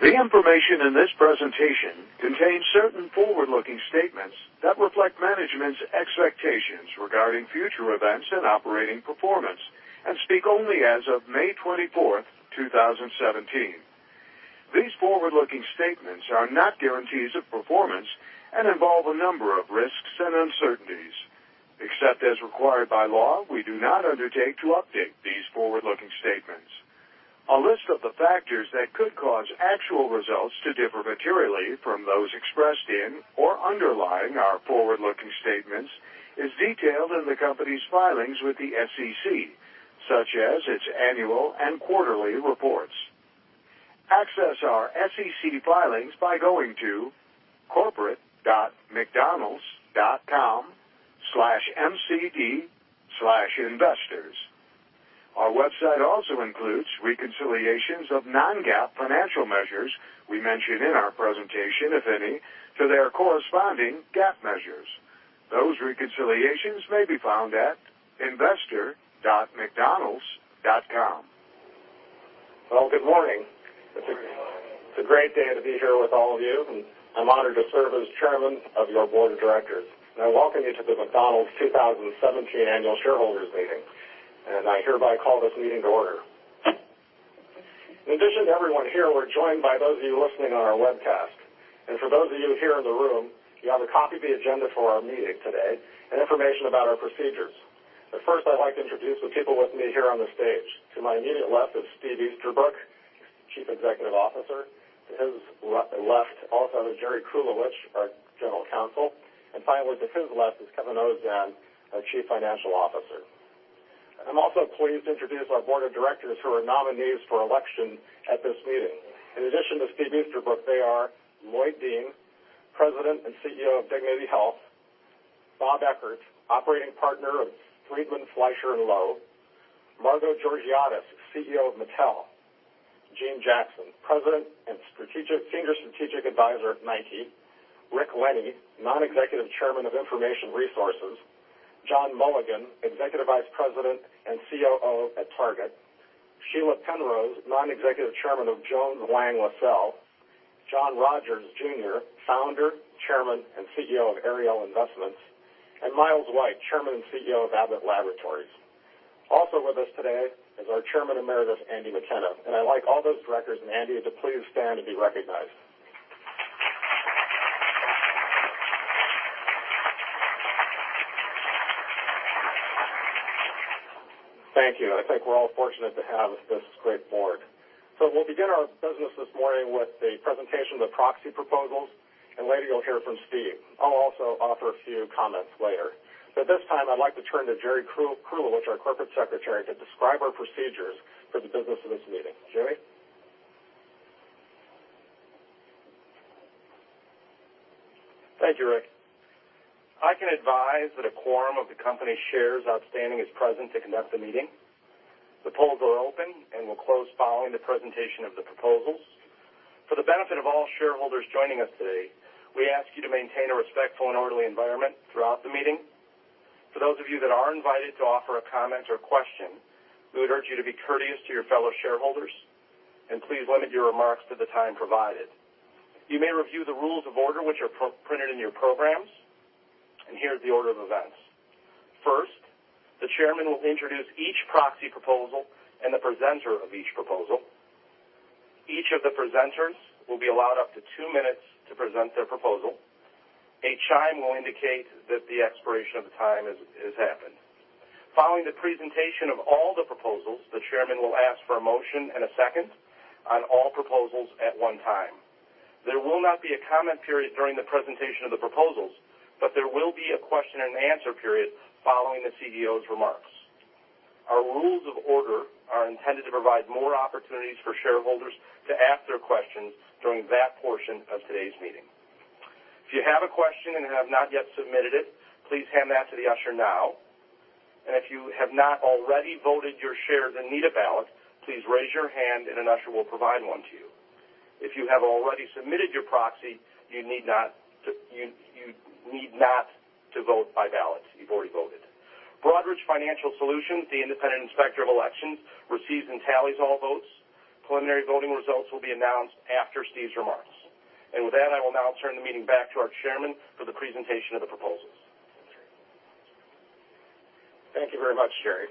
The information in this presentation contains certain forward-looking statements that reflect management's expectations regarding future events and operating performance and speak only as of May 24, 2017. These forward-looking statements are not guarantees of performance and involve a number of risks and uncertainties. Except as required by law, we do not undertake to update these forward-looking statements. A list of the factors that could cause actual results to differ materially from those expressed in or underlying our forward-looking statements is detailed in the company's filings with the SEC, such as its annual and quarterly reports. Access our SEC filings by going to corporate.mcdonalds.com/mcd/investors. Our website also includes reconciliations of non-GAAP financial measures we mention in our presentation, if any, to their corresponding GAAP measures. Those reconciliations may be found at investor.mcdonalds.com. Well, good morning. Good morning. It's a great day to be here with all of you, and I'm honored to serve as chairman of your board of directors. I welcome you to the McDonald's 2017 Annual Shareholders Meeting, and I hereby call this meeting to order. In addition to everyone here, we're joined by those of you listening on our webcast. For those of you here in the room, you have a copy of the agenda for our meeting today and information about our procedures. First I'd like to introduce the people with me here on the stage. To my immediate left is Steve Easterbrook, Chief Executive Officer. To his left also is Jerry Krulewicz, our General Counsel. Finally, to his left is Kevin Ozan, our Chief Financial Officer. I'm also pleased to introduce our board of directors who are nominees for election at this meeting. In addition to Steve Easterbrook, they are Lloyd Dean, President and CEO of Dignity Health. Bob Eckert, Operating Partner of Friedman Fleischer & Lowe. Margo Georgiadis, CEO of Mattel. Jeanne Jackson, President and Senior Strategic Advisor at Nike. Rick Lenny, Non-Executive Chairman of Information Resources. John Mulligan, Executive Vice President and COO at Target. Sheila Penrose, Non-Executive Chairman of Jones Lang LaSalle. John Rogers Jr., Founder, Chairman and CEO of Ariel Investments, and Miles White, Chairman and CEO of Abbott Laboratories. Also with us today is our Chairman Emeritus, Andy McKenna. I'd like all those directors and Andy to please stand and be recognized. Thank you. I think we're all fortunate to have this great board. We'll begin our business this morning with the presentation of the proxy proposals, and later you'll hear from Steve. I'll also offer a few comments later. At this time, I'd like to turn to Jerry Krulewicz, our Corporate Secretary, to describe our procedures for the business of this meeting. Jerry? Thank you, Rick. I can advise that a quorum of the company's shares outstanding is present to conduct the meeting. The polls are open and will close following the presentation of the proposals. For the benefit of all shareholders joining us today, we ask you to maintain a respectful and orderly environment throughout the meeting. For those of you that are invited to offer a comment or question, we would urge you to be courteous to your fellow shareholders, and please limit your remarks to the time provided. You may review the rules of order, which are printed in your programs. Here is the order of events. First, the chairman will introduce each proxy proposal and the presenter of each proposal. Each of the presenters will be allowed up to two minutes to present their proposal. A chime will indicate that the expiration of the time has happened. Following the presentation of all the proposals, the chairman will ask for a motion and a second on all proposals at one time. There will not be a comment period during the presentation of the proposals, but there will be a question and answer period following the CEO's remarks. Our rules of order are intended to provide more opportunities for shareholders to ask their questions during that portion of today's meeting. If you have a question and have not yet submitted it, please hand that to the usher now. If you have not already voted your shares and need a ballot, please raise your hand and an usher will provide one to you. If you have already submitted your proxy, you need not to vote by ballot. You've already voted. Broadridge Financial Solutions, the independent inspector of elections, receives and tallies all votes. Preliminary voting results will be announced after Steve's remarks. With that, I will now turn the meeting back to our chairman for the presentation of the proposals. Thank you very much, Jerry.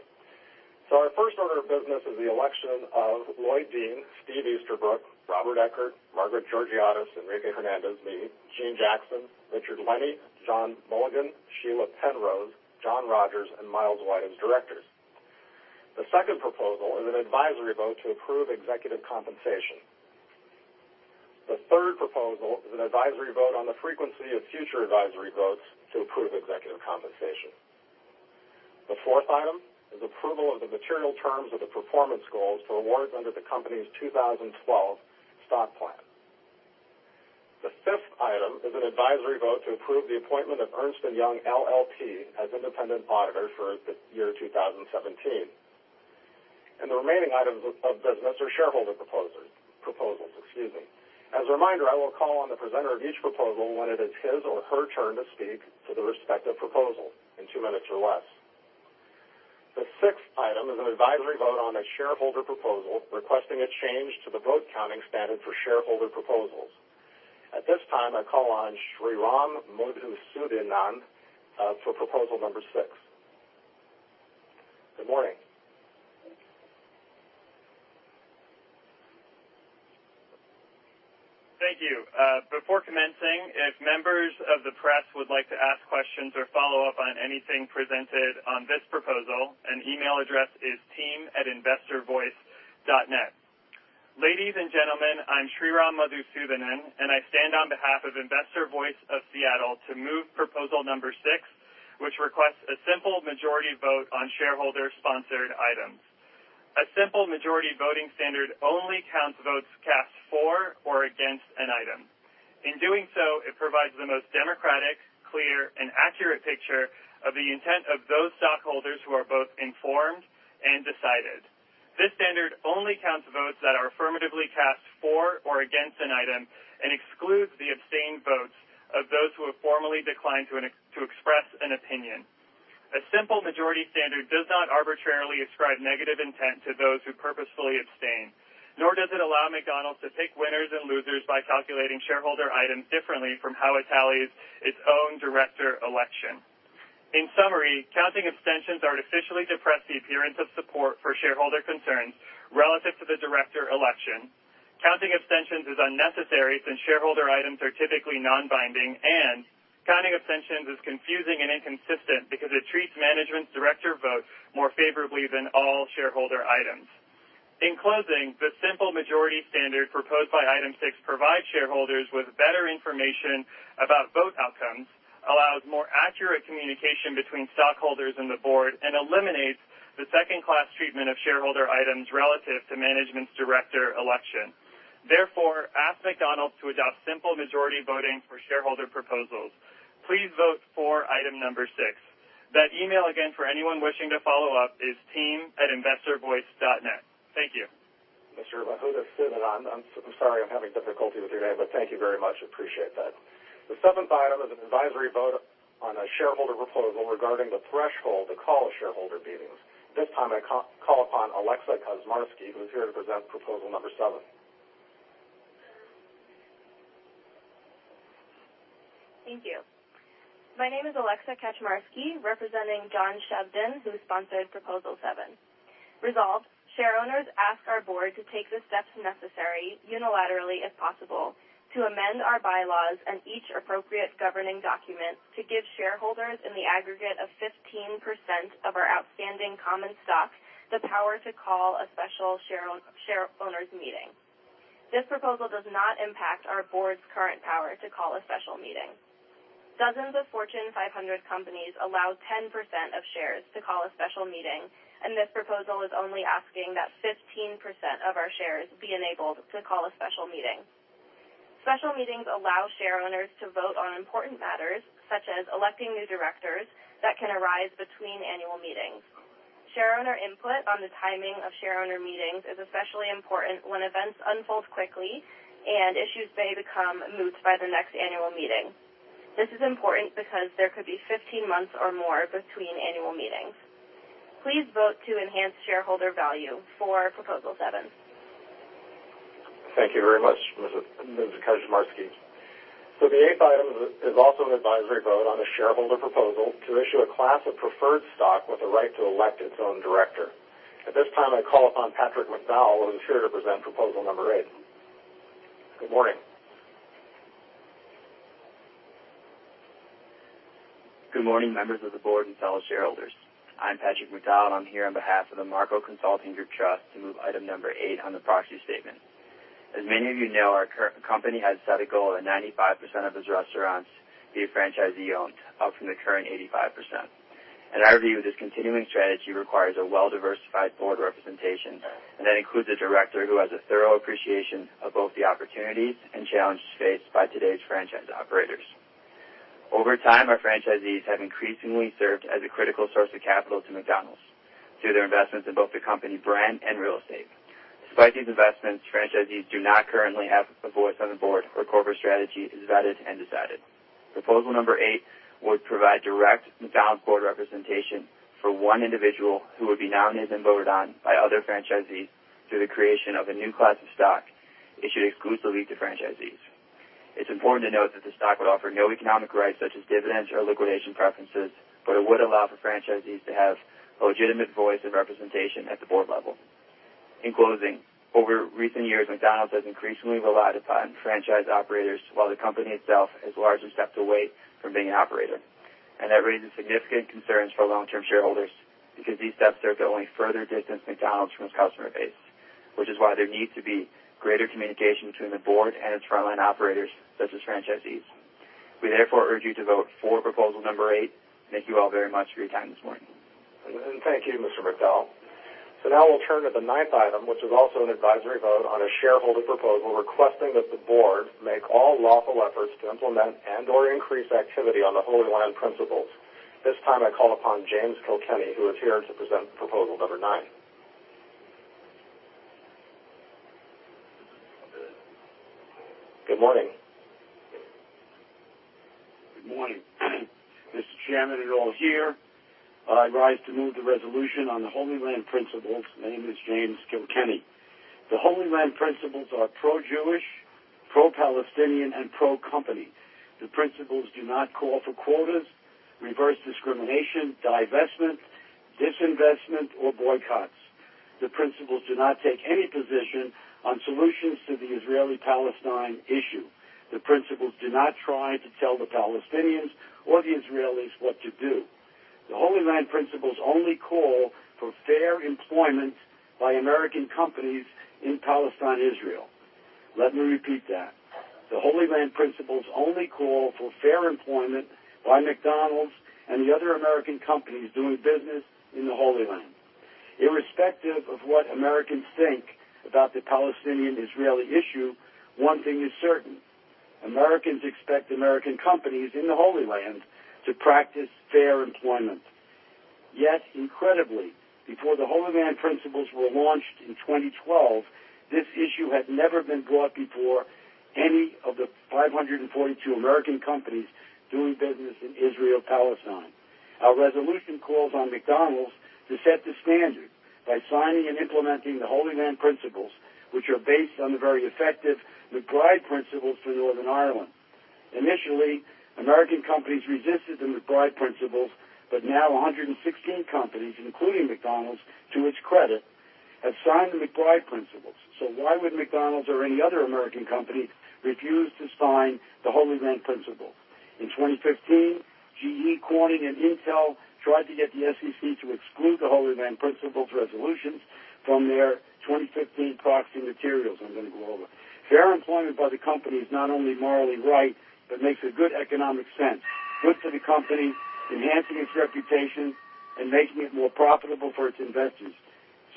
Our first order of business is the election of Lloyd Dean, Steve Easterbrook, Robert Eckert, Margaret Georgiadis, Enrique Hernandez, me, Jeanne Jackson, Richard Lenny, John Mulligan, Sheila Penrose, John Rogers, and Miles White as directors. The second proposal is an advisory vote to approve executive compensation. The third proposal is an advisory vote on the frequency of future advisory votes to approve executive compensation. The fourth item is approval of the material terms of the performance goals for awards under the company's 2012 stock plan. The fifth item is an advisory vote to approve the appointment of Ernst & Young LLP as independent auditors for the year 2017. The remaining items of business are shareholder proposals. As a reminder, I will call on the presenter of each proposal when it is his or her turn to speak to the respective proposal in 2 minutes or less. The sixth item is an advisory vote on a shareholder proposal requesting a change to the vote counting standard for shareholder proposals. At this time, I call on Sriram Madhusoodanan for proposal number six. Good morning. Thank you. Before commencing, if members of the press would like to ask questions or follow up on anything presented on this proposal, an email address is team@investorvoice.net. Ladies and gentlemen, I'm Sriram Madhusoodanan, and I stand on behalf of Investor Voice of Seattle to move proposal number six, which requests a simple majority vote on shareholder-sponsored items. A simple majority voting standard only counts votes cast for or against an item. In doing so, it provides the most democratic, clear, and accurate picture of the intent of those stockholders who are both informed and decided. This standard only counts votes that are affirmatively cast for or against an item and excludes the abstained votes of those who have formally declined to express an opinion. A simple majority standard does not arbitrarily ascribe negative intent to those who purposefully abstain, nor does it allow McDonald's to pick winners and losers by calculating shareholder items differently from how it tallies its own director election. In summary, counting abstentions artificially depresses the appearance of support for shareholder concerns relative to the director election. Counting abstentions is unnecessary since shareholder items are typically non-binding, and counting abstentions is confusing and inconsistent because it treats management's director votes more favorably than all shareholder items. In closing, the simple majority standard proposed by item 6 provides shareholders with better information about vote outcomes, allows more accurate communication between stockholders and the board, and eliminates the second-class treatment of shareholder items relative to management's director election. Therefore, ask McDonald's to adopt simple majority voting for shareholder proposals. Please vote for item number 6. That email again, for anyone wishing to follow up is team@investorvoice.net. Thank you. Mr. Madhusoodanan. I'm sorry I'm having difficulty with your name, thank you very much. Appreciate that. The 7th item is an advisory vote on a shareholder proposal regarding the threshold to call shareholder meetings. At this time, I call upon Alexa Kaczmarski, who's here to present proposal number 7. Thank you. My name is Alexa Kaczmarski, representing John Chevedden, who sponsored proposal 7. Resolved, share owners ask our board to take the steps necessary, unilaterally if possible, to amend our bylaws and each appropriate governing document to give shareholders in the aggregate of 15% of our outstanding common stock the power to call a special share owners meeting. This proposal does not impact our board's current power to call a special meeting. Dozens of Fortune 500 companies allow 10% of shares to call a special meeting, This proposal is only asking that 15% of our shares be enabled to call a special meeting. Special meetings allow share owners to vote on important matters, such as electing new directors, that can arise between annual meetings. Share owner input on the timing of share owner meetings is especially important when events unfold quickly and issues may become moot by the next annual meeting. This is important because there could be 15 months or more between annual meetings. Please vote to enhance shareholder value for proposal seven. Thank you very much, Ms. Kaczmarski. The eighth item is also an advisory vote on a shareholder proposal to issue a class of preferred stock with the right to elect its own director. At this time, I call upon Patrick McDowell, who is here to present proposal number eight. Good morning. Good morning, members of the board and fellow shareholders. I'm Patrick McDowell. I'm here on behalf of the Marco Consulting Group Trust to move item number eight on the proxy statement. As many of you know, our company has set a goal of 95% of its restaurants be franchisee-owned, up from the current 85%. In our view, this continuing strategy requires a well-diversified board representation, and that includes a director who has a thorough appreciation of both the opportunities and challenges faced by today's franchise operators. Over time, our franchisees have increasingly served as a critical source of capital to McDonald's through their investments in both the company brand and real estate. Despite these investments, franchisees do not currently have a voice on the board where corporate strategy is vetted and decided. Proposal number eight would provide direct McDonald's board representation for one individual who would be nominated and voted on by other franchisees through the creation of a new class of stock issued exclusively to franchisees. It's important to note that the stock would offer no economic rights such as dividends or liquidation preferences, but it would allow for franchisees to have a legitimate voice and representation at the board level. In closing, over recent years, McDonald's has increasingly relied upon franchise operators while the company itself has largely stepped away from being an operator. That raises significant concerns for long-term shareholders because these steps serve to only further distance McDonald's from its customer base. Which is why there needs to be greater communication between the board and its frontline operators, such as franchisees. We therefore urge you to vote for proposal number eight. Thank you all very much for your time this morning. Thank you, Mr. McDowell. Now we'll turn to the ninth item, which is also an advisory vote on a shareholder proposal requesting that the board make all lawful efforts to implement and/or increase activity on the Holy Land Principles. This time, I call upon James Kilkenny, who is here to present proposal number nine. Good morning. Good morning. Mr. Chairman and all here, I rise to move the resolution on the Holy Land Principles. My name is James Kilkenny. The Holy Land Principles are pro-Jewish, pro-Palestinian, and pro-company. The principles do not call for quotas, reverse discrimination, divestment, disinvestment, or boycotts. The principles do not take any position on solutions to the Israeli-Palestine issue. The principles do not try to tell the Palestinians or the Israelis what to do. The Holy Land Principles only call for fair employment by American companies in Palestine, Israel. Let me repeat that. The Holy Land Principles only call for fair employment by McDonald's and the other American companies doing business in the Holy Land. Irrespective of what Americans think about the Palestinian-Israeli issue, one thing is certain: Americans expect American companies in the Holy Land to practice fair employment. Incredibly, before the Holy Land Principles were launched in 2012, this issue had never been brought before any of the 542 American companies doing business in Israel-Palestine. Our resolution calls on McDonald's to set the standard by signing and implementing the Holy Land Principles, which are based on the very effective MacBride Principles for Northern Ireland. Initially, American companies resisted the MacBride Principles, but now 116 companies, including McDonald's, to its credit, have signed the MacBride Principles. Why would McDonald's or any other American company refuse to sign the Holy Land Principles? In 2015, GE, Corning, and Intel tried to get the SEC to exclude the Holy Land Principles resolutions from their 2015 proxy materials I'm going to go over. Fair employment by the company is not only morally right but makes a good economic sense. Good for the company enhancing its reputation and making it more profitable for its investors.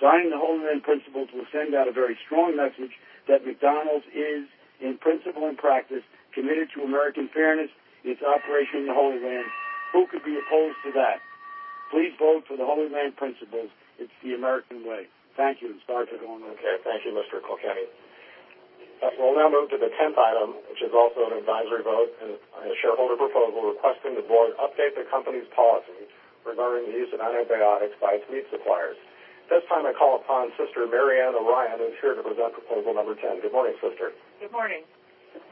Signing the Holy Land Principles will send out a very strong message that McDonald's is, in principle and practice, committed to American fairness in its operation in the Holy Land. Who could be opposed to that? Please vote for the Holy Land Principles. It's the American way. Thank you. Start the going once. Thank you, Mr. Kilkenny. We'll now move to the 10th item, which is also an advisory vote and a shareholder proposal requesting the board update the company's policy regarding the use of antibiotics by its meat suppliers. This time, I call upon Sister Mary Anne Ryan, who's here to present proposal number 10. Good morning, Sister. Good morning.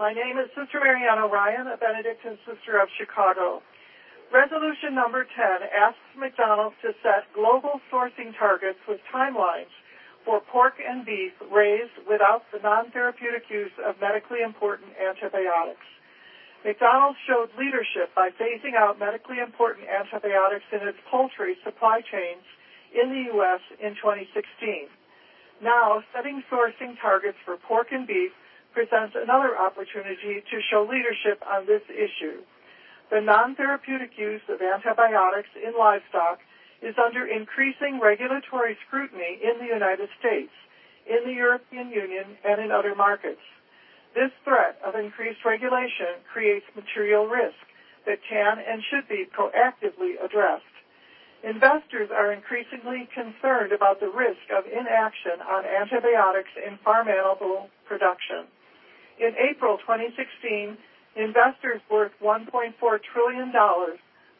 My name is Sister Mary Anne Ryan, a Benedictine sister of Chicago. Resolution number 10 asks McDonald's to set global sourcing targets with timelines for pork and beef raised without the non-therapeutic use of medically important antibiotics. McDonald's showed leadership by phasing out medically important antibiotics in its poultry supply chains in the U.S. in 2016. Now, setting sourcing targets for pork and beef presents another opportunity to show leadership on this issue. The non-therapeutic use of antibiotics in livestock is under increasing regulatory scrutiny in the United States, in the European Union, and in other markets. This threat of increased regulation creates material risk that can and should be proactively addressed. Investors are increasingly concerned about the risk of inaction on antibiotics in farm animal production. In April 2016, investors worth $1.4 trillion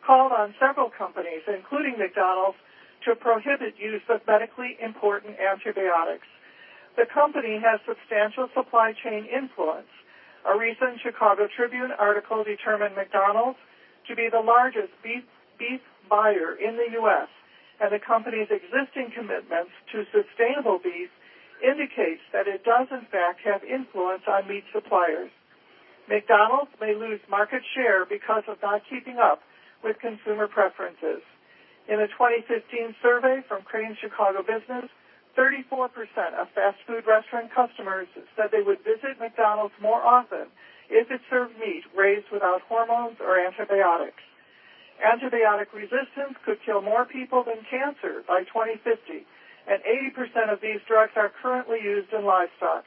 called on several companies, including McDonald's, to prohibit use of medically important antibiotics. The company has substantial supply chain influence. A recent Chicago Tribune article determined McDonald's to be the largest beef buyer in the U.S., and the company's existing commitments to sustainable beef indicates that it does in fact have influence on meat suppliers. McDonald's may lose market share because of not keeping up with consumer preferences. In a 2015 survey from Crain's Chicago Business, 34% of fast food restaurant customers said they would visit McDonald's more often if it served meat raised without hormones or antibiotics. Antibiotic resistance could kill more people than cancer by 2050, and 80% of these drugs are currently used in livestock.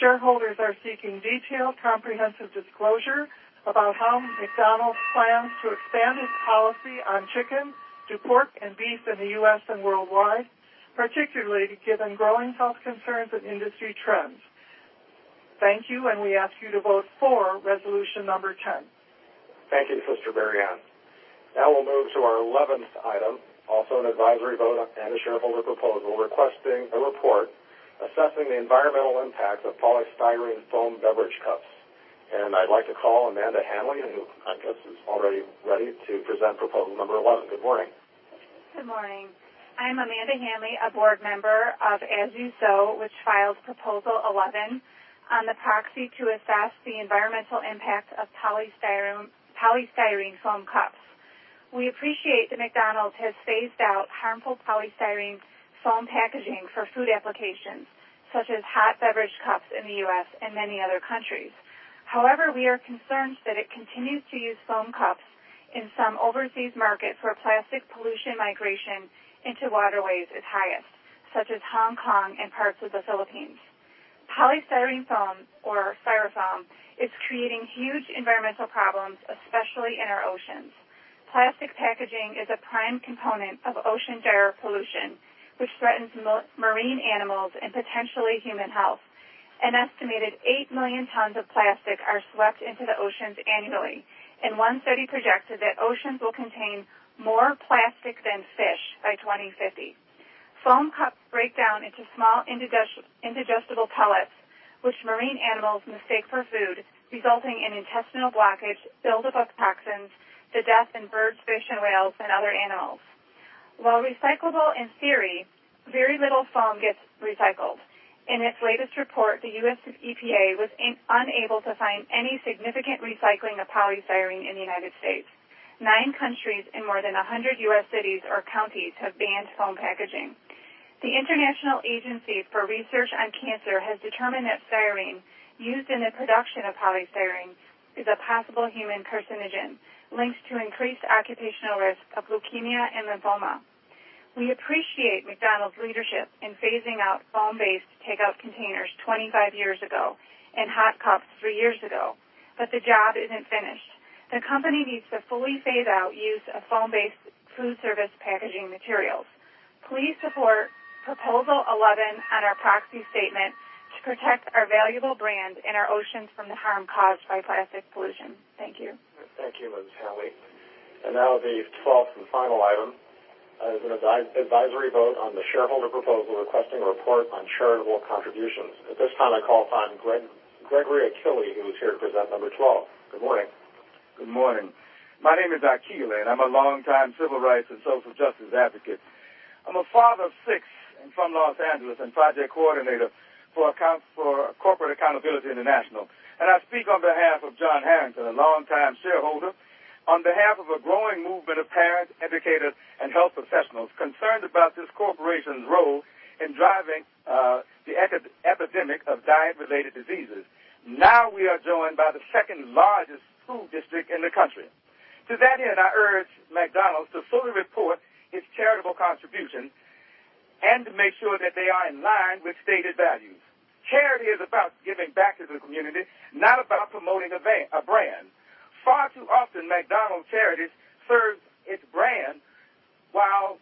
Shareholders are seeking detailed, comprehensive disclosure about how McDonald's plans to expand its policy on chicken to pork and beef in the U.S. and worldwide, particularly given growing health concerns and industry trends. Thank you. We ask you to vote for resolution number 10. Thank you, Sister Mary Anne. We'll move to our 11th item, also an advisory vote and a shareholder proposal requesting a report assessing the environmental impact of polystyrene foam beverage cups. I'd like to call Amanda Hanley, who I guess is already ready to present proposal number 11. Good morning. Good morning. I'm Amanda Hanley, a board member of As You Sow, which filed proposal 11 on the proxy to assess the environmental impact of polystyrene foam cups. We appreciate that McDonald's has phased out harmful polystyrene foam packaging for food applications, such as hot beverage cups in the U.S. and many other countries. However, we are concerned that it continues to use foam cups in some overseas markets where plastic pollution migration into waterways is highest, such as Hong Kong and parts of the Philippines. Polystyrene foam, or styrofoam, is creating huge environmental problems, especially in our oceans. Plastic packaging is a prime component of ocean gyre pollution, which threatens marine animals and potentially human health. An estimated eight million tons of plastic are swept into the oceans annually, and one study projected that oceans will contain more plastic than fish by 2050. Foam cups break down into small indigestible pellets, which marine animals mistake for food, resulting in intestinal blockage, buildup of toxins, to death in birds, fish, and whales, and other animals. While recyclable in theory, very little foam gets recycled. In its latest report, the U.S. EPA was unable to find any significant recycling of polystyrene in the United States. Nine countries and more than 100 U.S. cities or counties have banned foam packaging. The International Agency for Research on Cancer has determined that styrene, used in the production of polystyrene, is a possible human carcinogen linked to increased occupational risk of leukemia and lymphoma. We appreciate McDonald's leadership in phasing out foam-based takeout containers 25 years ago and hot cups three years ago, the job isn't finished. The company needs to fully phase out use of foam-based food service packaging materials. Please support proposal 11 on our proxy statement to protect our valuable brand and our oceans from the harm caused by plastic pollution. Thank you. Thank you, Ms. Hanley. Now the 12th and final item is an advisory vote on the shareholder proposal requesting a report on charitable contributions. At this time, I call upon Gregory Akili, who is here to present number 12. Good morning. Good morning. My name is Akili, and I'm a longtime civil rights and social justice advocate. I'm a father of six and from Los Angeles and project coordinator for Corporate Accountability International. I speak on behalf of John Harrington, a longtime shareholder, on behalf of a growing movement of parents, educators, and health professionals concerned about this corporation's role in driving the epidemic of diet-related diseases. Now we are joined by the second-largest school district in the country. To that end, I urge McDonald's to fully report its charitable contributions and to make sure that they are in line with stated values. Charity is about giving back to the community, not about promoting a brand. Far too often, McDonald's charities serve its brand while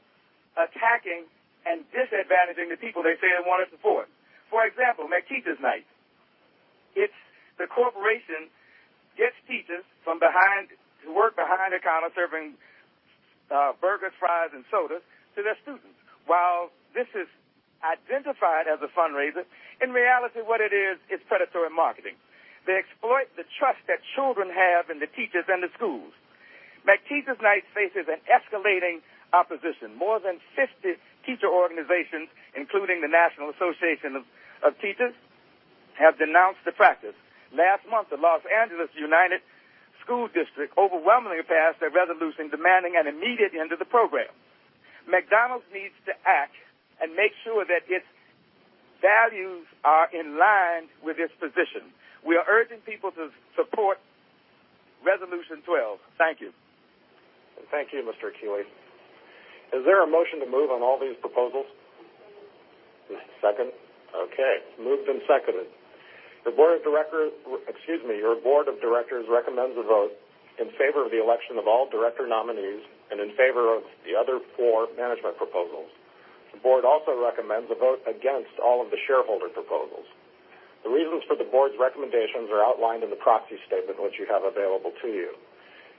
attacking and disadvantaging the people they say they want to support. For example, McTeacher's Night. The corporation gets teachers who work behind the counter serving burgers, fries, and sodas to their students. While this is identified as a fundraiser, in reality, what it is predatory marketing. They exploit the trust that children have in the teachers and the schools. McTeacher's Night faces an escalating opposition. More than 50 teacher organizations, including the National Education Association, have denounced the practice. Last month, the Los Angeles Unified School District overwhelmingly passed a resolution demanding an immediate end to the program. McDonald's needs to act and make sure that its values are in line with its position. We are urging people to support Resolution 12. Thank you. Thank you, Mr. Akili. Is there a motion to move on all these proposals? Moved. Second? Okay. Moved and seconded. Your board of directors recommends a vote in favor of the election of all director nominees and in favor of the other four management proposals. The board also recommends a vote against all of the shareholder proposals. The reasons for the board's recommendations are outlined in the proxy statement, which you have available to you.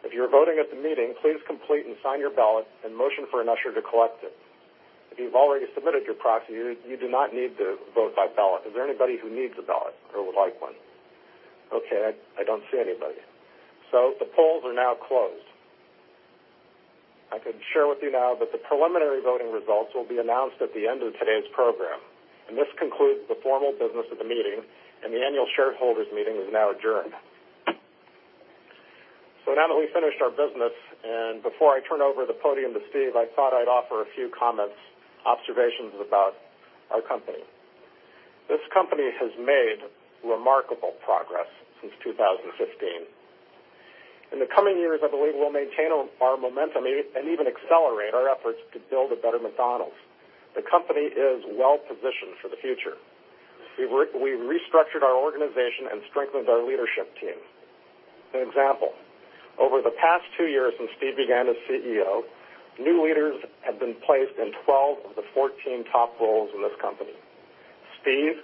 If you're voting at the meeting, please complete and sign your ballot and motion for an usher to collect it. If you've already submitted your proxy, you do not need to vote by ballot. Is there anybody who needs a ballot or would like one? Okay, I don't see anybody. The polls are now closed. I can share with you now that the preliminary voting results will be announced at the end of today's program. This concludes the formal business of the meeting, and the annual shareholders meeting is now adjourned. Now that we've finished our business and before I turn over the podium to Steve, I thought I'd offer a few comments, observations about our company. This company has made remarkable progress since 2015. In the coming years, I believe we'll maintain our momentum and even accelerate our efforts to build a better McDonald's. The company is well-positioned for the future. We've restructured our organization and strengthened our leadership team. An example, over the past two years since Steve began as CEO, new leaders have been placed in 12 of the 14 top roles in this company. Steve,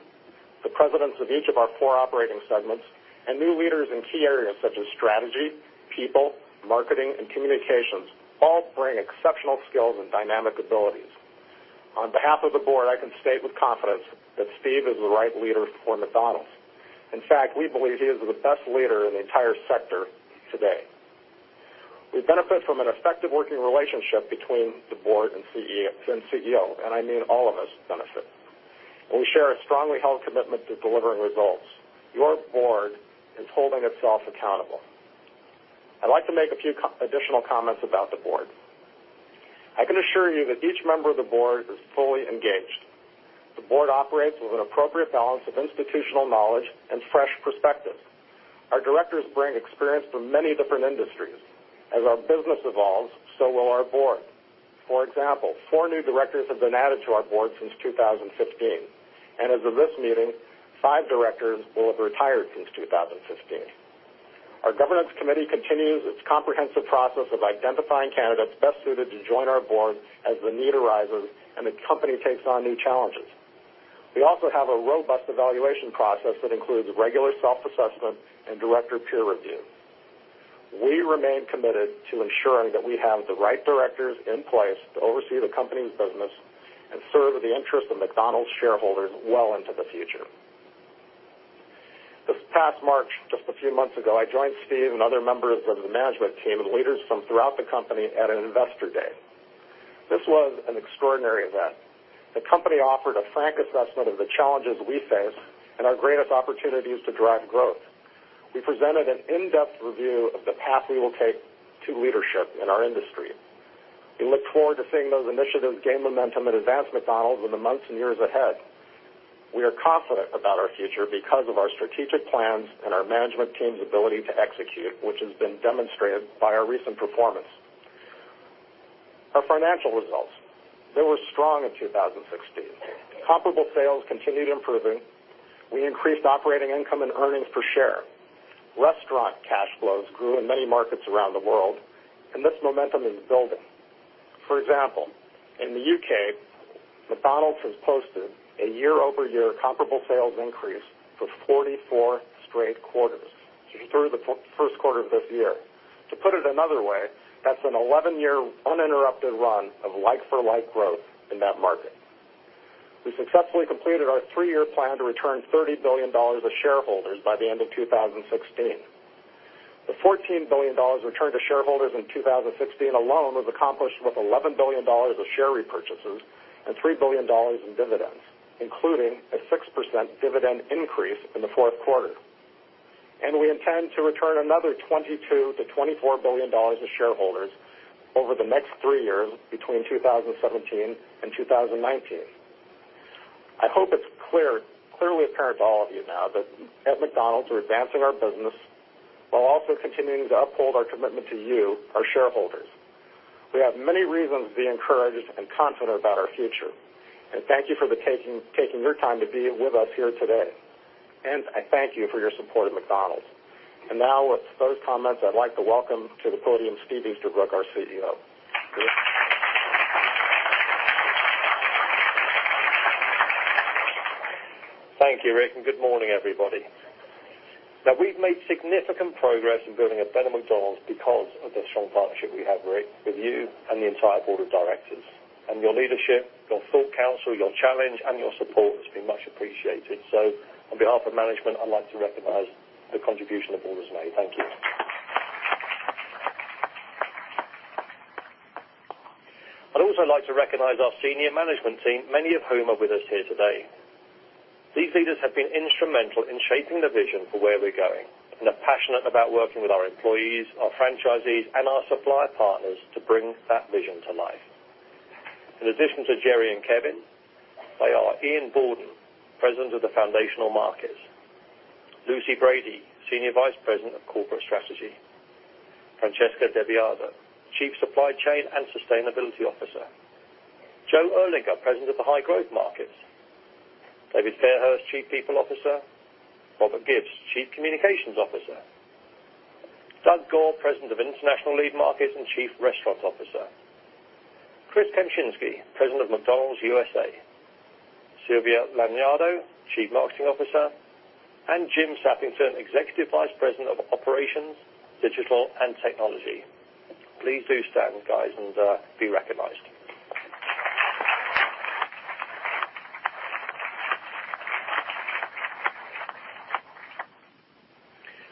the presidents of each of our four operating segments, and new leaders in key areas such as strategy, people, marketing, and communications all bring exceptional skills and dynamic abilities. On behalf of the board, I can state with confidence that Steve is the right leader for McDonald's. In fact, we believe he is the best leader in the entire sector today. We benefit from an effective working relationship between the board and CEO, and I mean all of us benefit. We share a strongly held commitment to delivering results. Your board is holding itself accountable. I'd like to make a few additional comments about the board. I can assure you that each member of the board is fully engaged. The board operates with an appropriate balance of institutional knowledge and fresh perspectives. Our directors bring experience from many different industries. As our business evolves, so will our board. For example, four new directors have been added to our board since 2015, and as of this meeting, five directors will have retired since 2015. Our governance committee continues its comprehensive process of identifying candidates best suited to join our board as the need arises and the company takes on new challenges. We also have a robust evaluation process that includes regular self-assessment and director peer review. We remain committed to ensuring that we have the right directors in place to oversee the company's business and serve the interest of McDonald's shareholders well into the future. This past March, just a few months ago, I joined Steve and other members of the management team and leaders from throughout the company at an investor day. This was an extraordinary event. The company offered a frank assessment of the challenges we face and our greatest opportunities to drive growth. We presented an in-depth review of the path we will take to leadership in our industry. We look forward to seeing those initiatives gain momentum and advance McDonald's in the months and years ahead. We are confident about our future because of our strategic plans and our management team's ability to execute, which has been demonstrated by our recent performance. Our financial results, they were strong in 2016. Comparable sales continued improving. We increased operating income and earnings per share. Restaurant cash flows grew in many markets around the world, and this momentum is building. For example, in the U.K., McDonald's has posted a year-over-year comparable sales increase for 44 straight quarters through the first quarter of this year. To put it another way, that's an 11-year uninterrupted run of like-for-like growth in that market. We successfully completed our three-year plan to return $30 billion to shareholders by the end of 2016. The $14 billion returned to shareholders in 2016 alone was accomplished with $11 billion of share repurchases and $3 billion in dividends, including a 6% dividend increase in the fourth quarter. We intend to return another $22 billion-$24 billion to shareholders over the next three years between 2017 and 2019. I hope it's clearly apparent to all of you now that at McDonald's, we're advancing our business while also continuing to uphold our commitment to you, our shareholders. We have many reasons to be encouraged and confident about our future. Thank you for taking your time to be with us here today. I thank you for your support of McDonald's. Now with those comments, I'd like to welcome to the podium Steve Easterbrook, our CEO. Steve? Thank you, Rick. Good morning, everybody. We've made significant progress in building a better McDonald's because of the strong partnership we have, Rick, with you and the entire board of directors. Your leadership, your thought counsel, your challenge and your support has been much appreciated. So on behalf of management, I'd like to recognize the contribution the board has made. Thank you. I'd also like to recognize our senior management team, many of whom are with us here today. These leaders have been instrumental in shaping the vision for where we're going and are passionate about working with our employees, our franchisees, and our supplier partners to bring that vision to life. In addition to Jerry and Kevin, they are Ian Borden, President of the Foundational Markets. Lucy Brady, Senior Vice President of Corporate Strategy. Francesca DeBiase, Chief Supply Chain and Sustainability Officer. Joe Erlinger, President of the High Growth Markets. David Fairhurst, Chief People Officer. Robert Gibbs, Chief Communications Officer. Doug Goare, President of International Lead Markets and Chief Restaurant Officer. Chris Kempczinski, President of McDonald's USA. Silvia Lagnado, Chief Marketing Officer, and Jim Sappington, Executive Vice President of Operations, Digital, and Technology. Please do stand guys and be recognized.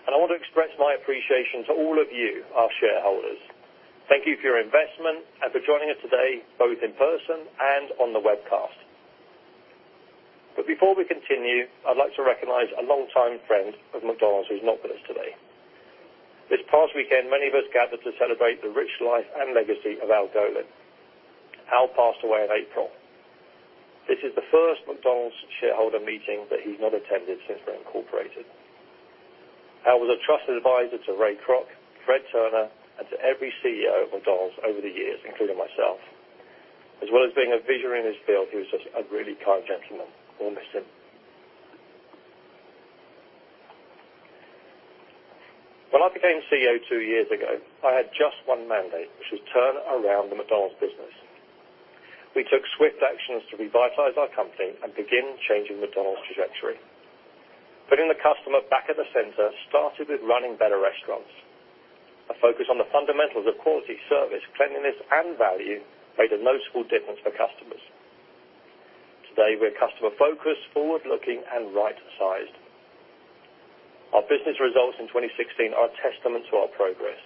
I want to express my appreciation to all of you, our shareholders. Thank you for your investment and for joining us today, both in person and on the webcast. Before we continue, I'd like to recognize a longtime friend of McDonald's who's not with us today. This past weekend, many of us gathered to celebrate the rich life and legacy of Al Golin. Al passed away in April. This is the first McDonald's shareholder meeting that he's not attended since we're incorporated. Al was a trusted advisor to Ray Kroc, Fred Turner, and to every CEO of McDonald's over the years, including myself. As well as being a visionary in his field, he was just a really kind gentleman. We'll miss him. When I became CEO 2 years ago, I had just one mandate, which was turn around the McDonald's business. We took swift actions to revitalize our company and begin changing McDonald's trajectory. Putting the customer back at the center started with running better restaurants. A focus on the fundamentals of quality, service, cleanliness, and value made a noticeable difference for customers. Today, we're customer-focused, forward-looking, and right-sized. Our business results in 2016 are a testament to our progress.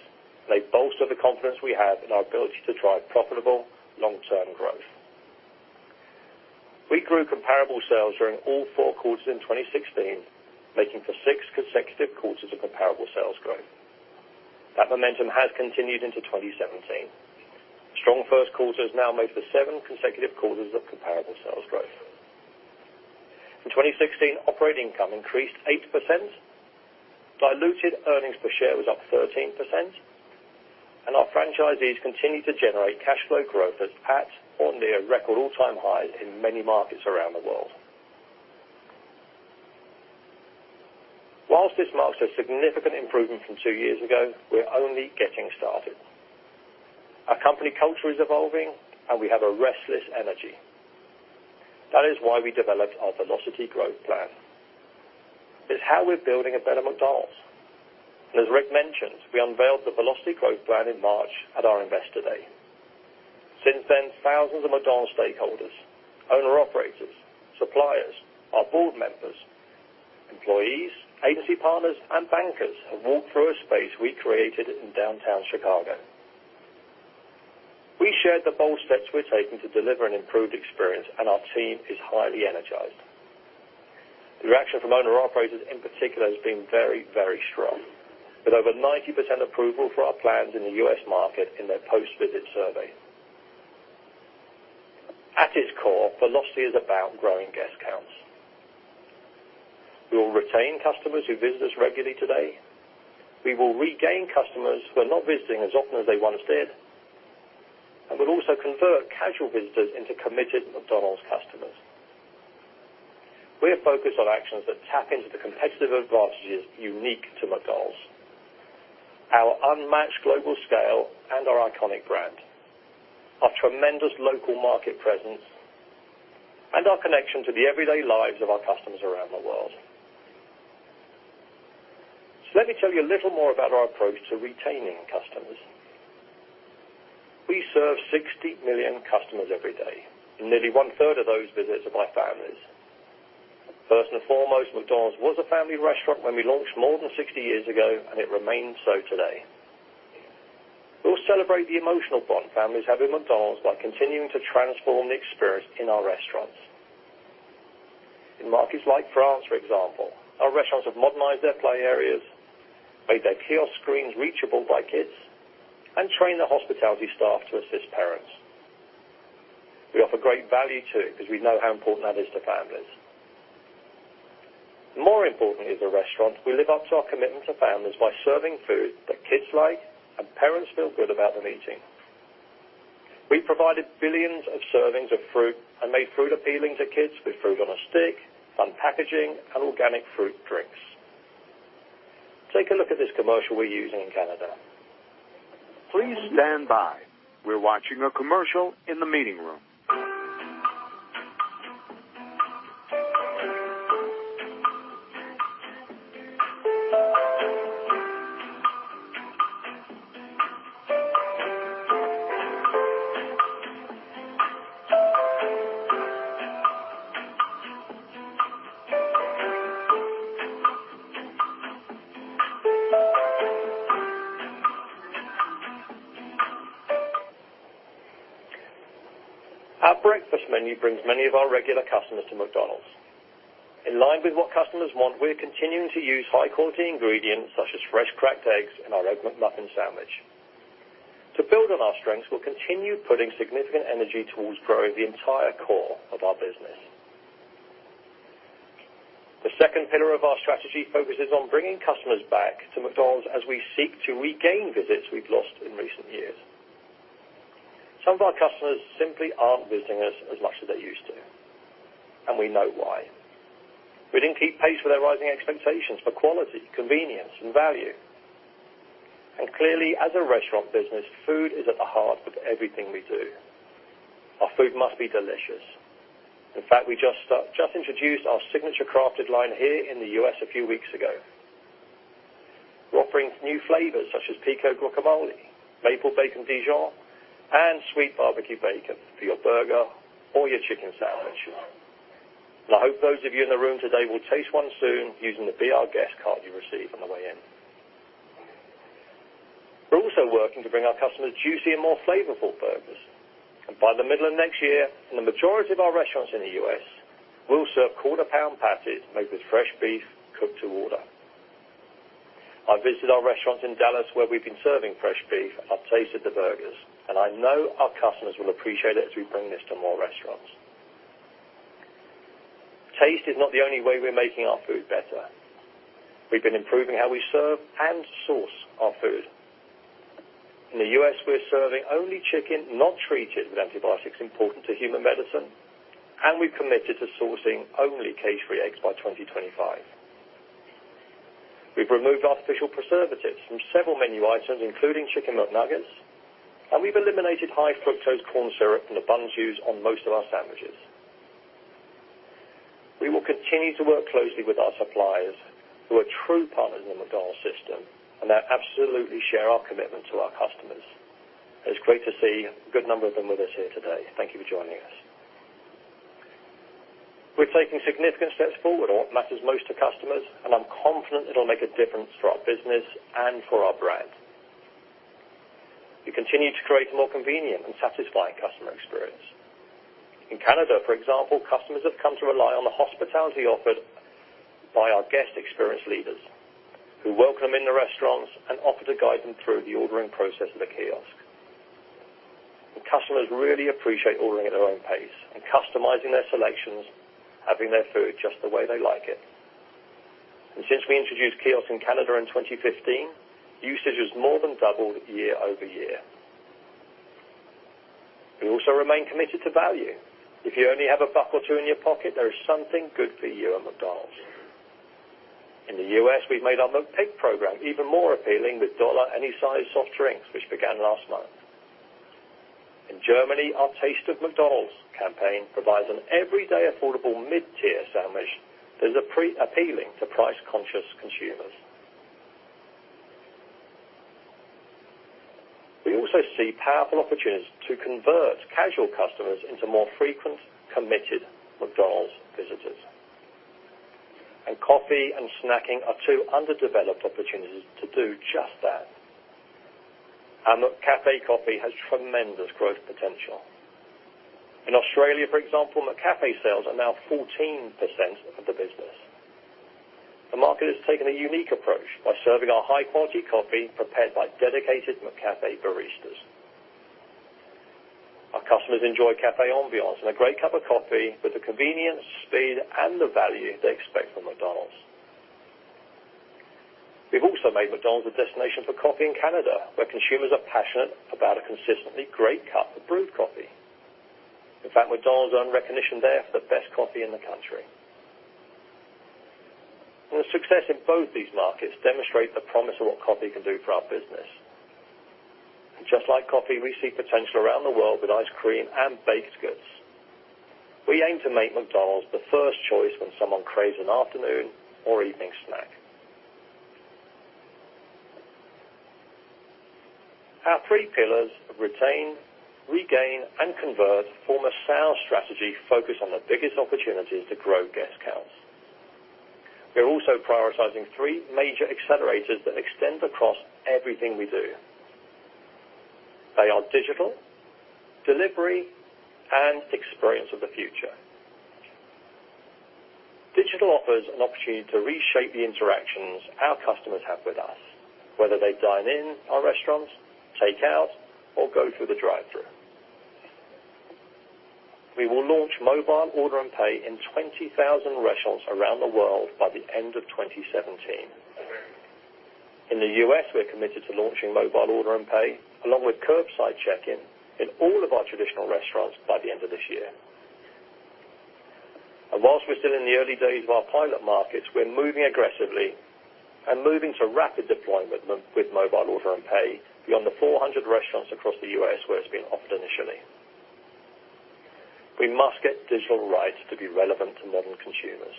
They bolster the confidence we have in our ability to drive profitable long-term growth. We grew comparable sales during all 4 quarters in 2016, making for 6 consecutive quarters of comparable sales growth. That momentum has continued into 2017. Strong first quarter has now made for 7 consecutive quarters of comparable sales growth. In 2016, operating income increased 8%, diluted earnings per share was up 13%, and our franchisees continue to generate cash flow growth that's at or near record all-time high in many markets around the world. Whilst this marks a significant improvement from 2 years ago, we're only getting started. Our company culture is evolving, and we have a restless energy. That is why we developed our Velocity Growth Plan. It's how we're building a better McDonald's. As Rick mentioned, we unveiled the Velocity Growth Plan in March at our Investor Day. Since then, thousands of McDonald's stakeholders, owner-operators, suppliers, our board members, employees, agency partners, and bankers have walked through a space we created in downtown Chicago. We shared the bold steps we're taking to deliver an improved experience, and our team is highly energized. The reaction from owner-operators in particular has been very strong. With over 90% approval for our plans in the U.S. market in their post-visit survey. At its core, Velocity is about growing guest counts. We will retain customers who visit us regularly today. We will regain customers who are not visiting as often as they once did. We'll also convert casual visitors into committed McDonald's customers. We are focused on actions that tap into the competitive advantages unique to McDonald's, our unmatched global scale and our iconic brand, our tremendous local market presence, and our connection to the everyday lives of our customers around the world. Let me tell you a little more about our approach to retaining customers. We serve 60 million customers every day, and nearly one-third of those visits are by families. First and foremost, McDonald's was a family restaurant when we launched more than 60 years ago, and it remains so today. We will celebrate the emotional bond families have with McDonald's by continuing to transform the experience in our restaurants. In markets like France, for example, our restaurants have modernized their play areas, made their kiosk screens reachable by kids, and trained their hospitality staff to assist parents. We offer great value too, because we know how important that is to families. More importantly, as a restaurant, we live up to our commitment to families by serving food that kids like and parents feel good about them eating. We provided billions of servings of fruit and made fruit appealing to kids with fruit on a stick, fun packaging, and organic fruit drinks. Take a look at this commercial we're using in Canada. Please stand by. We're watching a commercial in the meeting room. Our breakfast menu brings many of our regular customers to McDonald's. In line with what customers want, we're continuing to use high-quality ingredients such as fresh cracked eggs in our Egg McMuffin sandwich. To build on our strengths, we'll continue putting significant energy towards growing the entire core of our business. The second pillar of our strategy focuses on bringing customers back to McDonald's as we seek to regain visits we've lost in recent years. Some of our customers simply aren't visiting us as much as they used to, and we know why. We didn't keep pace with their rising expectations for quality, convenience, and value. Clearly, as a restaurant business, food is at the heart of everything we do. Our food must be delicious. In fact, we just introduced our Signature Crafted line here in the U.S. a few weeks ago. We're offering new flavors such as Pico Guacamole, Maple Bacon Dijon, and Sweet Barbecue Bacon for your burger or your chicken sandwich. I hope those of you in the room today will taste one soon using the Be Our Guest card you received on the way in. We're also working to bring our customers juicy and more flavorful burgers. By the middle of next year, in the majority of our restaurants in the U.S., we'll serve quarter-pound patties made with fresh beef cooked to order. I visited our restaurant in Dallas where we've been serving fresh beef. I've tasted the burgers, and I know our customers will appreciate it as we bring this to more restaurants. Taste is not the only way we're making our food better. We've been improving how we serve and source our food. In the U.S., we're serving only chicken not treated with antibiotics important to human medicine, and we've committed to sourcing only cage-free eggs by 2025. We've removed artificial preservatives from several menu items, including Chicken McNuggets, and we've eliminated high-fructose corn syrup from the buns used on most of our sandwiches. We will continue to work closely with our suppliers, who are true partners in the McDonald's system and that absolutely share our commitment to our customers. It's great to see a good number of them with us here today. Thank you for joining us. We're taking significant steps forward on what matters most to customers, and I'm confident it'll make a difference for our business and for our brand. We continue to create a more convenient and satisfying customer experience. In Canada, for example, customers have come to rely on the hospitality offered by our guest experience leaders who welcome them in the restaurants and offer to guide them through the ordering process at the kiosk. Customers really appreciate ordering at their own pace and customizing their selections, having their food just the way they like it. Since we introduced kiosks in Canada in 2015, usage has more than doubled year-over-year. We also remain committed to value. If you only have a buck or two in your pocket, there is something good for you at McDonald's. In the U.S., we've made our McPick program even more appealing with $1 any-size soft drinks, which began last month. In Germany, our Taste of McDonald's campaign provides an everyday affordable mid-tier sandwich that is appealing to price-conscious consumers. We also see powerful opportunities to convert casual customers into more frequent, committed McDonald's visitors. Coffee and snacking are two underdeveloped opportunities to do just that. Our McCafé coffee has tremendous growth potential. In Australia, for example, McCafé sales are now 14% of the business. The market has taken a unique approach by serving our high-quality coffee prepared by dedicated McCafé baristas. Our customers enjoy café ambiance and a great cup of coffee with the convenience, speed, and the value they expect from McDonald's. We've also made McDonald's a destination for coffee in Canada, where consumers are passionate about a consistently great cup of brewed coffee. In fact, McDonald's earned recognition there for the best coffee in the country. The success in both these markets demonstrate the promise of what coffee can do for our business. Just like coffee, we see potential around the world with ice cream and baked goods. We aim to make McDonald's the first choice when someone craves an afternoon or evening snack. Our three pillars of retain, regain, and convert form a sound strategy focused on the biggest opportunities to grow guest counts. We are also prioritizing three major accelerators that extend across everything we do. They are digital, delivery, and Experience of the Future. Digital offers an opportunity to reshape the interactions our customers have with us, whether they dine in our restaurants, take out, or go through the drive-thru. We will launch mobile order and pay in 20,000 restaurants around the world by the end of 2017. In the U.S., we are committed to launching mobile order and pay, along with curbside check-in, in all of our traditional restaurants by the end of this year. Whilst we are still in the early days of our pilot markets, we are moving aggressively and moving to rapid deployment with mobile order and pay beyond the 400 restaurants across the U.S. where it is being offered initially. We must get digital right to be relevant to modern consumers.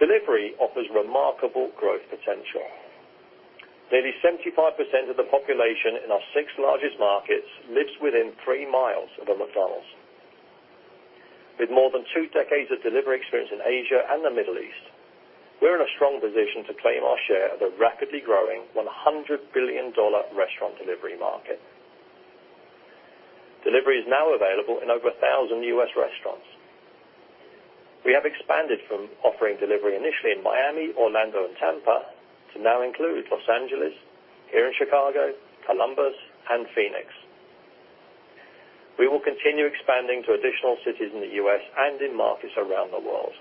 Delivery offers remarkable growth potential. Nearly 75% of the population in our six largest markets lives within three miles of a McDonald's. With more than two decades of delivery experience in Asia and the Middle East, we are in a strong position to claim our share of the rapidly growing $100 billion restaurant delivery market. Delivery is now available in over 1,000 U.S. restaurants. We have expanded from offering delivery initially in Miami, Orlando, and Tampa to now include Los Angeles, here in Chicago, Columbus, and Phoenix. We will continue expanding to additional cities in the U.S. and in markets around the world.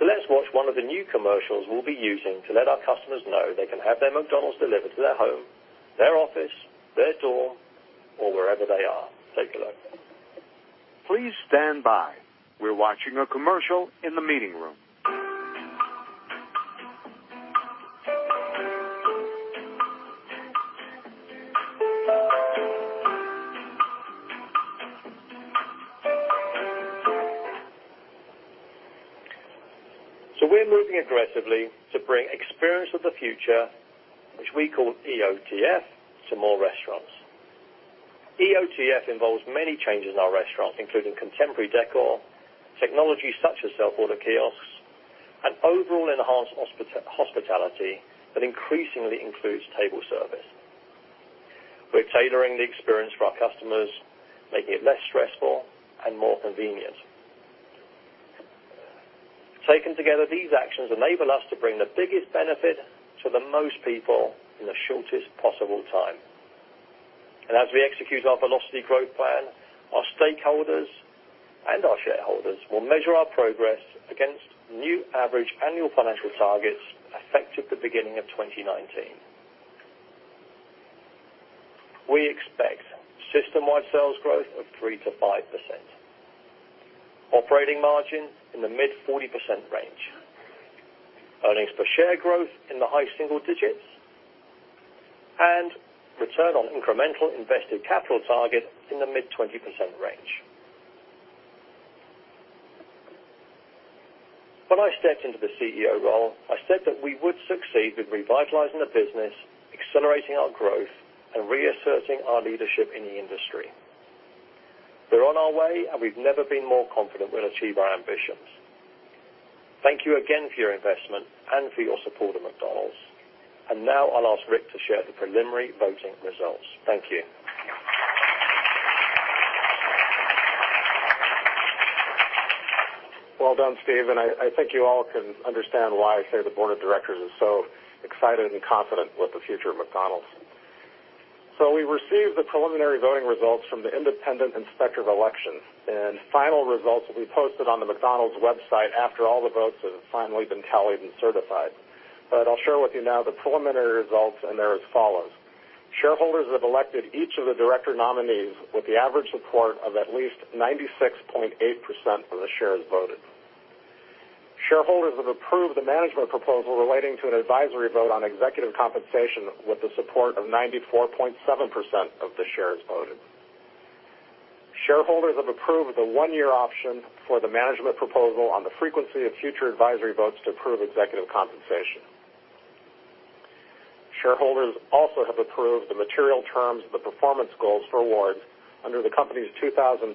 Let us watch one of the new commercials we will be using to let our customers know they can have their McDonald's delivered to their home, their office, their door, or wherever they are. Take a look. Please stand by. We are watching a commercial in the meeting room. We're moving aggressively to bring Experience of the Future, which we call EOTF, to more restaurants. EOTF involves many changes in our restaurants, including contemporary decor, technology such as self-order kiosks, and overall enhanced hospitality that increasingly includes table service. We're tailoring the experience for our customers, making it less stressful and more convenient. Taken together, these actions enable us to bring the biggest benefit to the most people in the shortest possible time. As we execute our Velocity Growth Plan, our stakeholders and our shareholders will measure our progress against new average annual financial targets effective the beginning of 2019. We expect system-wide sales growth of 3%-5%, operating margin in the mid 40% range, earnings per share growth in the high single digits, and return on incremental invested capital target in the mid 20% range. When I stepped into the CEO role, I said that we would succeed in revitalizing the business, accelerating our growth, and reasserting our leadership in the industry. We're on our way, and we've never been more confident we'll achieve our ambitions. Thank you again for your investment and for your support of McDonald's. Now I'll ask Rick to share the preliminary voting results. Thank you. Well done, Steve. I think you all can understand why I say the board of directors is so excited and confident with the future of McDonald's. We received the preliminary voting results from the independent inspector of election, and final results will be posted on the McDonald's website after all the votes have finally been tallied and certified. I'll share with you now the preliminary results, and they're as follows. Shareholders have elected each of the director nominees with the average support of at least 96.8% of the shares voted. Shareholders have approved the management proposal relating to an advisory vote on executive compensation with the support of 94.7% of the shares voted. Shareholders have approved the one-year option for the management proposal on the frequency of future advisory votes to approve executive compensation. Shareholders also have approved the material terms of the performance goals for awards under the company's 2012